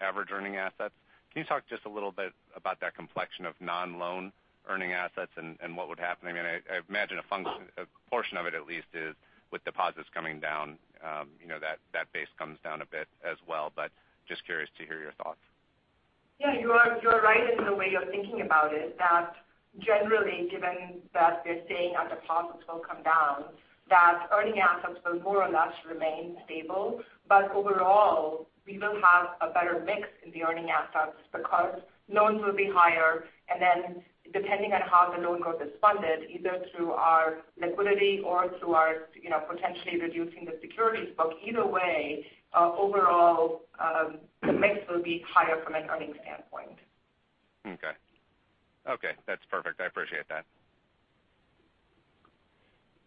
N: average earning assets. Can you talk just a little bit about that complexion of non-loan earning assets and what would happen? I imagine a portion of it at least is with deposits coming down that base comes down a bit as well, just curious to hear your thoughts.
D: You're right in the way you're thinking about it, that generally, given that we're saying our deposits will come down, that earning assets will more or less remain stable. Overall, we will have a better mix in the earning assets because loans will be higher. Depending on how the loan growth is funded, either through our liquidity or through our potentially reducing the securities book, either way, overall, the mix will be higher from an earnings standpoint.
N: Okay. That's perfect. I appreciate that.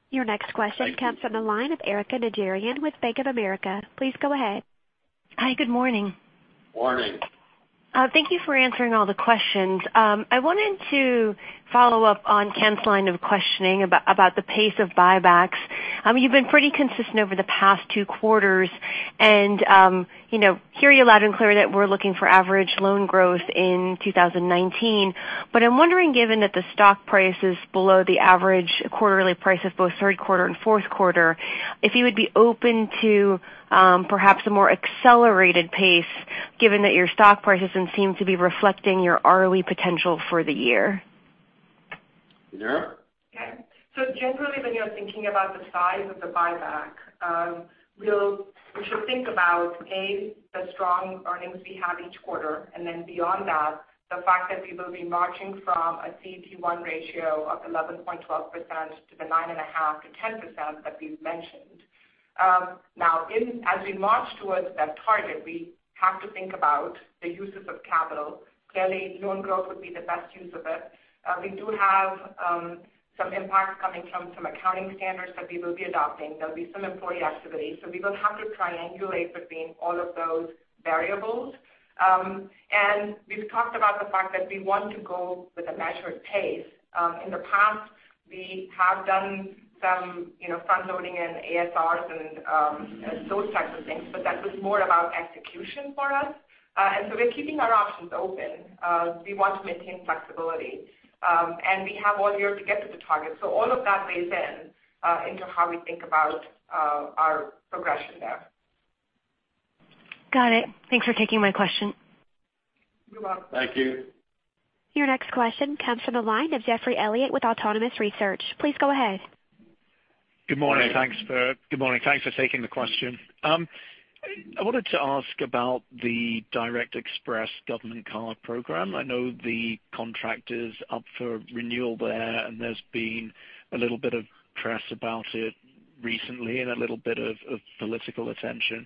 A: Your next question comes from the line of Erika Najarian with Bank of America. Please go ahead.
O: Hi. Good morning.
C: Morning.
O: Thank you for answering all the questions. I wanted to follow up on Ken's line of questioning about the pace of buybacks. You've been pretty consistent over the past two quarters and hear you loud and clear that we're looking for average loan growth in 2019. I'm wondering, given that the stock price is below the average quarterly price of both third quarter and fourth quarter, if you would be open to perhaps a more accelerated pace, given that your stock prices don't seem to be reflecting your ROE potential for the year.
C: Muneera?
D: Okay. Generally, when you're thinking about the size of the buyback, we should think about, A, the strong earnings we have each quarter, then beyond that, the fact that we will be marching from a CET1 ratio of 11.12% to the 9.5%-10% that we've mentioned. Now, as we march towards that target, we have to think about the uses of capital. Clearly, loan growth would be the best use of it. We do have some impact coming from some accounting standards that we will be adopting. There'll be some employee activity. We will have to triangulate between all of those variables. We've talked about the fact that we want to go with a measured pace. In the past, we have done some front-loading and ASRs and those types of things, but that was more about execution for us. We're keeping our options open. We want to maintain flexibility. We have all year to get to the target. All of that plays into how we think about our progression there.
O: Got it. Thanks for taking my question.
D: You're welcome.
C: Thank you.
A: Your next question comes from the line of Geoffrey Elliott with Autonomous Research. Please go ahead.
P: Good morning. Thanks for taking the question. I wanted to ask about the Direct Express government card program. I know the contract is up for renewal there, and there's been a little bit of press about it recently and a little bit of political attention.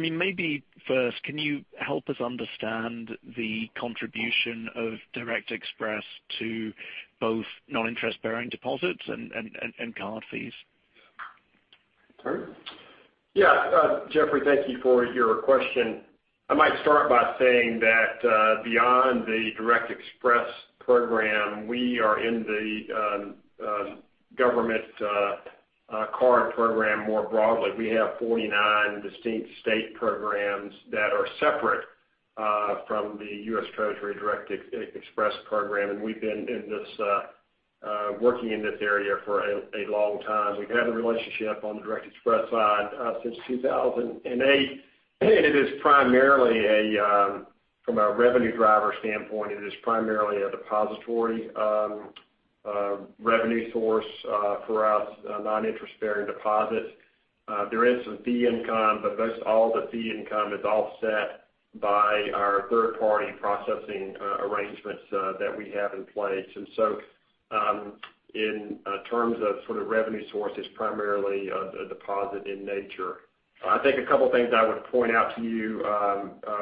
P: Maybe first, can you help us understand the contribution of Direct Express to both non-interest-bearing deposits and card fees?
C: Curt?
F: Yeah. Geoffrey, thank you for your question. I might start by saying that beyond the Direct Express program, we are in the government card program more broadly. We have 49 distinct state programs that are separate from the U.S. Treasury Direct Express program, and we've been working in this area for a long time. We've had a relationship on the Direct Express side since 2008. From a revenue driver standpoint, it is primarily a depository revenue source for us, non-interest-bearing deposits. There is some fee income, but most all the fee income is offset by our third-party processing arrangements that we have in place. In terms of revenue sources, primarily deposit in nature. I think a couple things I would point out to you,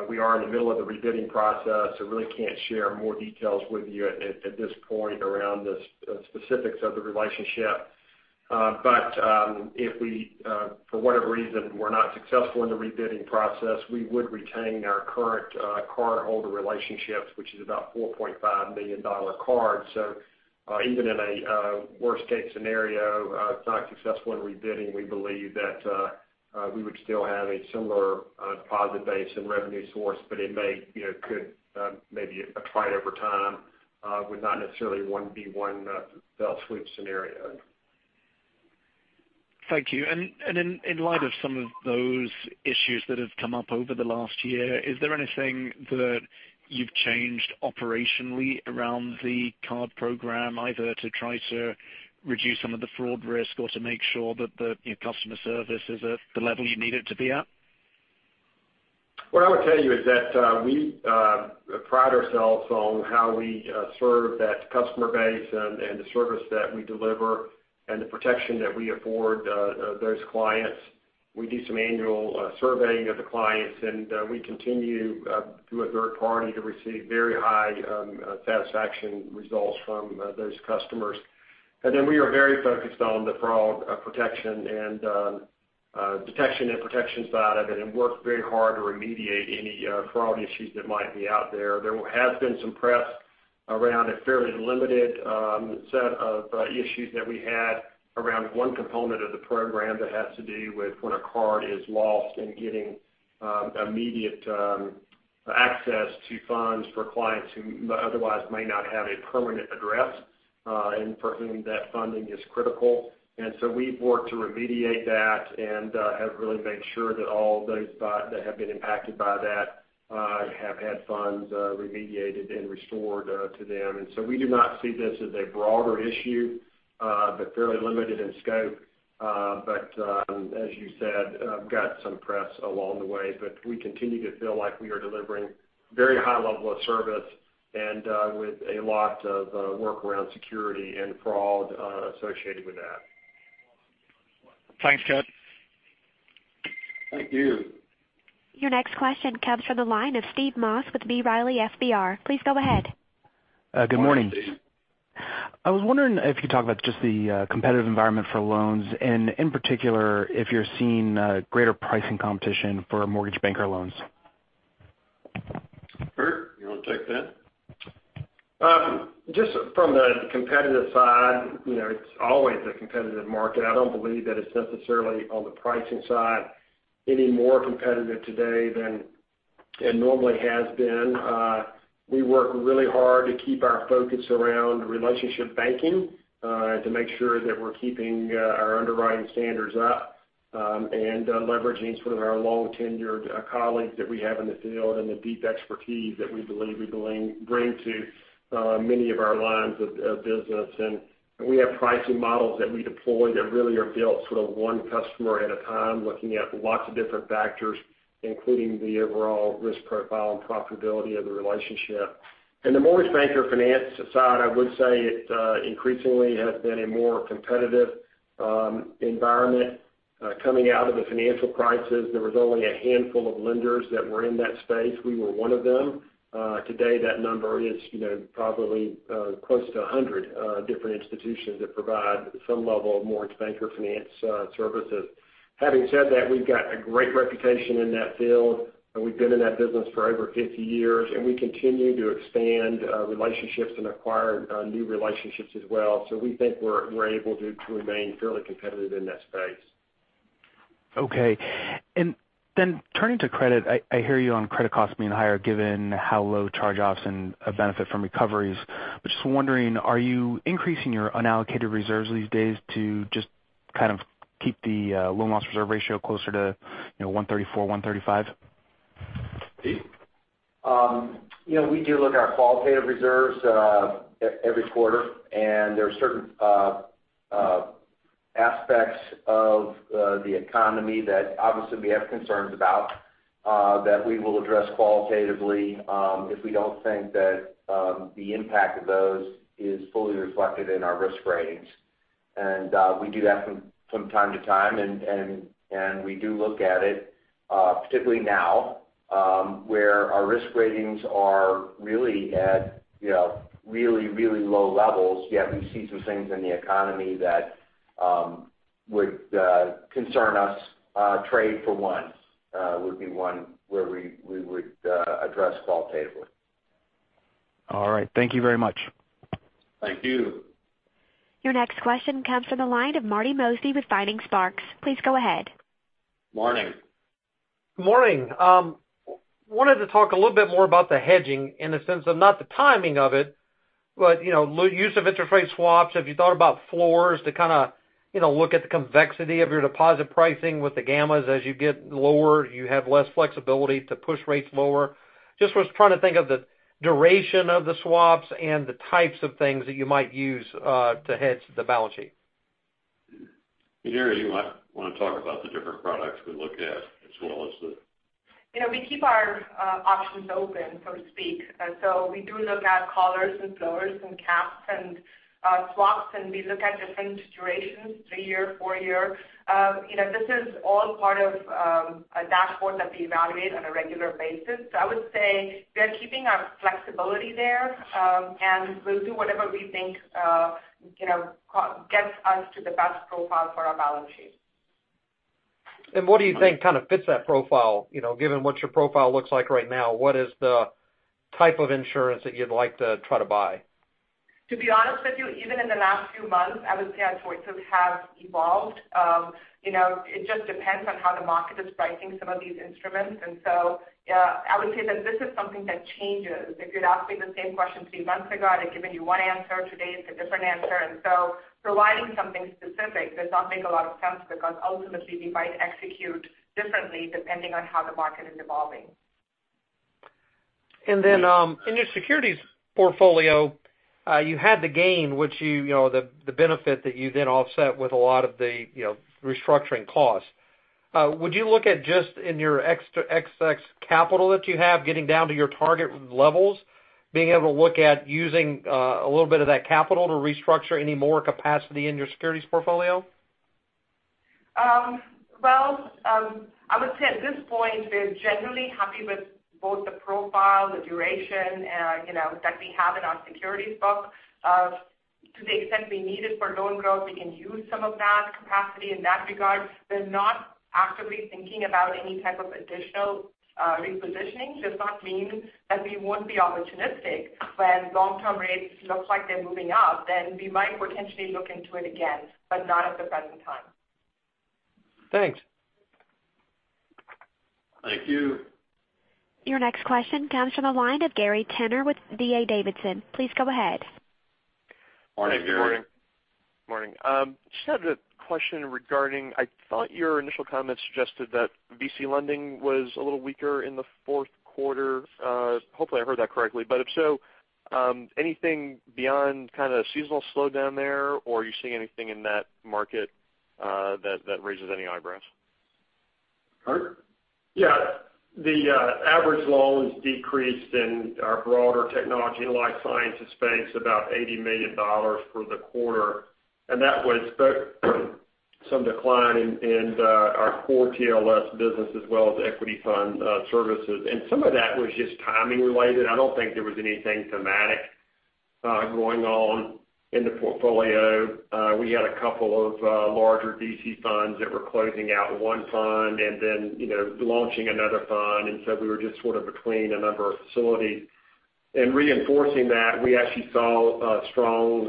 F: we are in the middle of the rebidding process, really can't share more details with you at this point around the specifics of the relationship. If we, for whatever reason, we're not successful in the rebidding process, we would retain our current cardholder relationships, which is about $4.5 million cards. Even in a worst-case scenario, if not successful in rebidding, we believe that we would still have a similar deposit base and revenue source, but it could maybe attrite over time, would not necessarily be one fell swoop scenario. Thank you.
P: In light of some of those issues that have come up over the last year, is there anything that you've changed operationally around the card program, either to try to reduce some of the fraud risk or to make sure that the customer service is at the level you need it to be at?
F: What I would tell you is that we pride ourselves on how we serve that customer base and the service that we deliver and the protection that we afford those clients. We do some annual surveying of the clients, and we continue through a third party to receive very high satisfaction results from those customers. We are very focused on the fraud protection and detection and protection side of it and work very hard to remediate any fraud issues that might be out there. There has been some press around a fairly limited set of issues that we had around one component of the program that has to do with when a card is lost and getting immediate access to funds for clients who otherwise may not have a permanent address and for whom that funding is critical. We've worked to remediate that and have really made sure that all those that have been impacted by that have had funds remediated and restored to them. We do not see this as a broader issue, but fairly limited in scope. As you said, got some press along the way. We continue to feel like we are delivering very high level of service and with a lot of work around security and fraud associated with that.
P: Thanks, Curt.
F: Thank you.
A: Your next question comes from the line of Steve Moss with B. Riley FBR. Please go ahead.
C: Good morning, Steve.
Q: I was wondering if you'd talk about just the competitive environment for loans and in particular, if you're seeing greater pricing competition for mortgage banker loans?
C: Curt, you want to take that?
F: Just from the competitive side, it's always a competitive market. I don't believe that it's necessarily on the pricing side any more competitive today than it normally has been. We work really hard to keep our focus around relationship banking to make sure that we're keeping our underwriting standards up and leveraging some of our long-tenured colleagues that we have in the field and the deep expertise that we believe we bring to many of our lines of business. We have pricing models that we deploy that really are built one customer at a time, looking at lots of different factors, including the overall risk profile and profitability of the relationship. In the mortgage banker finance side, I would say it increasingly has been a more competitive environment. Coming out of the financial crisis, there was only a handful of lenders that were in that space. We were one of them. Today, that number is probably close to 100 different institutions that provide some level of mortgage banker finance services. Having said that, we've got a great reputation in that field, and we've been in that business for over 50 years, and we continue to expand relationships and acquire new relationships as well. We think we're able to remain fairly competitive in that space.
Q: Okay. Turning to credit, I hear you on credit costs being higher given how low charge-offs and a benefit from recoveries. I'm just wondering, are you increasing your unallocated reserves these days to just kind of keep the loan loss reserve ratio closer to 134, 135?
C: Pete?
J: We do look at our qualitative reserves every quarter, there are certain aspects of the economy that obviously we have concerns about, that we will address qualitatively if we don't think that the impact of those is fully reflected in our risk ratings. We do that from time to time, and we do look at it, particularly now, where our risk ratings are really at really low levels, yet we see some things in the economy that would concern us. Trade, for one, would be one where we would address qualitatively.
Q: All right. Thank you very much.
C: Thank you.
A: Your next question comes from the line of Marty Mosby with Vining Sparks. Please go ahead.
C: Morning.
R: Morning. I wanted to talk a little bit more about the hedging in the sense of not the timing of it, but use of interest rate swaps. Have you thought about floors to kind of look at the convexity of your deposit pricing with the gammas as you get lower, you have less flexibility to push rates lower? I was just trying to think of the duration of the swaps and the types of things that you might use to hedge the balance sheet.
C: Muneera, you might want to talk about the different products we look at.
D: We keep our options open, so to speak. We do look at collars and floors and caps and swaps, and we look at different durations, three-year, four-year. This is all part of a dashboard that we evaluate on a regular basis. I would say we are keeping our flexibility there, and we'll do whatever we think gets us to the best profile for our balance sheet.
R: What do you think fits that profile? Given what your profile looks like right now, what is the type of insurance that you'd like to try to buy?
D: To be honest with you, even in the last few months, I would say our choices have evolved. It just depends on how the market is pricing some of these instruments. I would say that this is something that changes. If you'd asked me the same question three months ago, I'd have given you one answer. Today, it's a different answer. Providing something specific does not make a lot of sense because ultimately we might execute differently depending on how the market is evolving.
R: In your securities portfolio, you had the gain, the benefit that you then offset with a lot of the restructuring costs. Would you look at just in your excess capital that you have getting down to your target levels, being able to look at using a little bit of that capital to restructure any more capacity in your securities portfolio?
D: Well, I would say at this point, we're generally happy with both the profile, the duration, that we have in our securities book. To the extent we need it for loan growth, we can use some of that capacity in that regard. We're not actively thinking about any type of additional repositioning. Does not mean that we won't be opportunistic when long-term rates look like they're moving up, then we might potentially look into it again, but not at the present time.
R: Thanks.
C: Thank you.
A: Your next question comes from the line of Gary Tenner with D.A. Davidson. Please go ahead.
C: Morning, Gary.
S: Morning. Just had a question regarding, I thought your initial comment suggested that VC lending was a little weaker in the fourth quarter. Hopefully I heard that correctly. If so, anything beyond kind of a seasonal slowdown there, or are you seeing anything in that market that raises any eyebrows?
C: Curt?
F: Yeah. The average loans decreased in our broader technology and life sciences space, about $80 million for the quarter. That was both some decline in our core TLS business as well as equity fund services. Some of that was just timing related. I don't think there was anything thematic going on in the portfolio. We had a couple of larger VC funds that were closing out one fund and then launching another fund. We were just sort of between a number of facilities. Reinforcing that, we actually saw a strong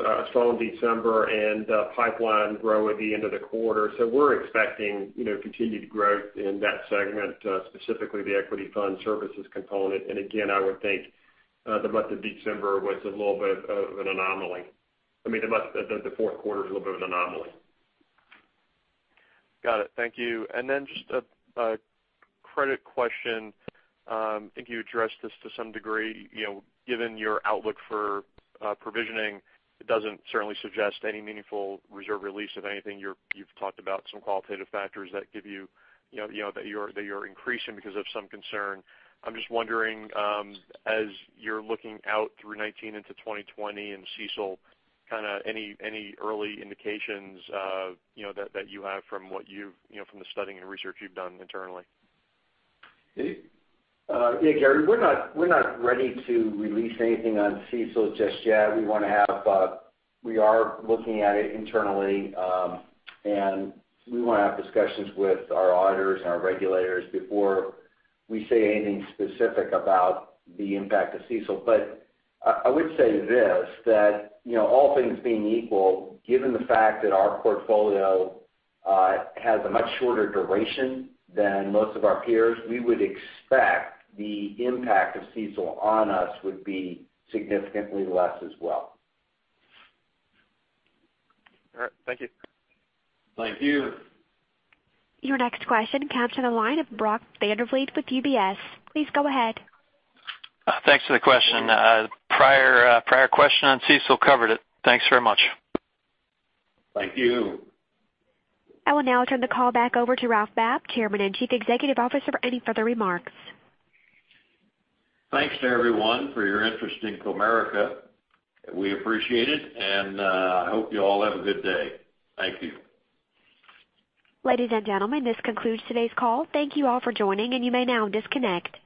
F: December and pipeline grow at the end of the quarter. We're expecting continued growth in that segment, specifically the equity fund services component. Again, I would think the month of December was a little bit of an anomaly. I mean, the fourth quarter is a little bit of an anomaly.
S: Got it. Thank you. Just a credit question. I think you addressed this to some degree. Given your outlook for provisioning, it doesn't certainly suggest any meaningful reserve release. If anything, you've talked about some qualitative factors that you're increasing because of some concern. I'm just wondering, as you're looking out through 2019 into 2020 and CECL, any early indications that you have from the studying and research you've done internally?
C: Pete?
J: Yeah, Gary, we're not ready to release anything on CECL just yet. We are looking at it internally. We want to have discussions with our auditors and our regulators before we say anything specific about the impact of CECL. I would say this, that all things being equal, given the fact that our portfolio has a much shorter duration than most of our peers, we would expect the impact of CECL on us would be significantly less as well.
S: All right. Thank you.
C: Thank you.
A: Your next question comes to the line of Brock Vandervliet with UBS. Please go ahead.
T: Thanks for the question. Prior question on CECL covered it. Thanks very much.
C: Thank you.
A: I will now turn the call back over to Ralph Babb, Chairman and Chief Executive Officer for any further remarks.
C: Thanks to everyone for your interest in Comerica. We appreciate it, and I hope you all have a good day. Thank you.
A: Ladies and gentlemen, this concludes today's call. Thank you all for joining, and you may now disconnect.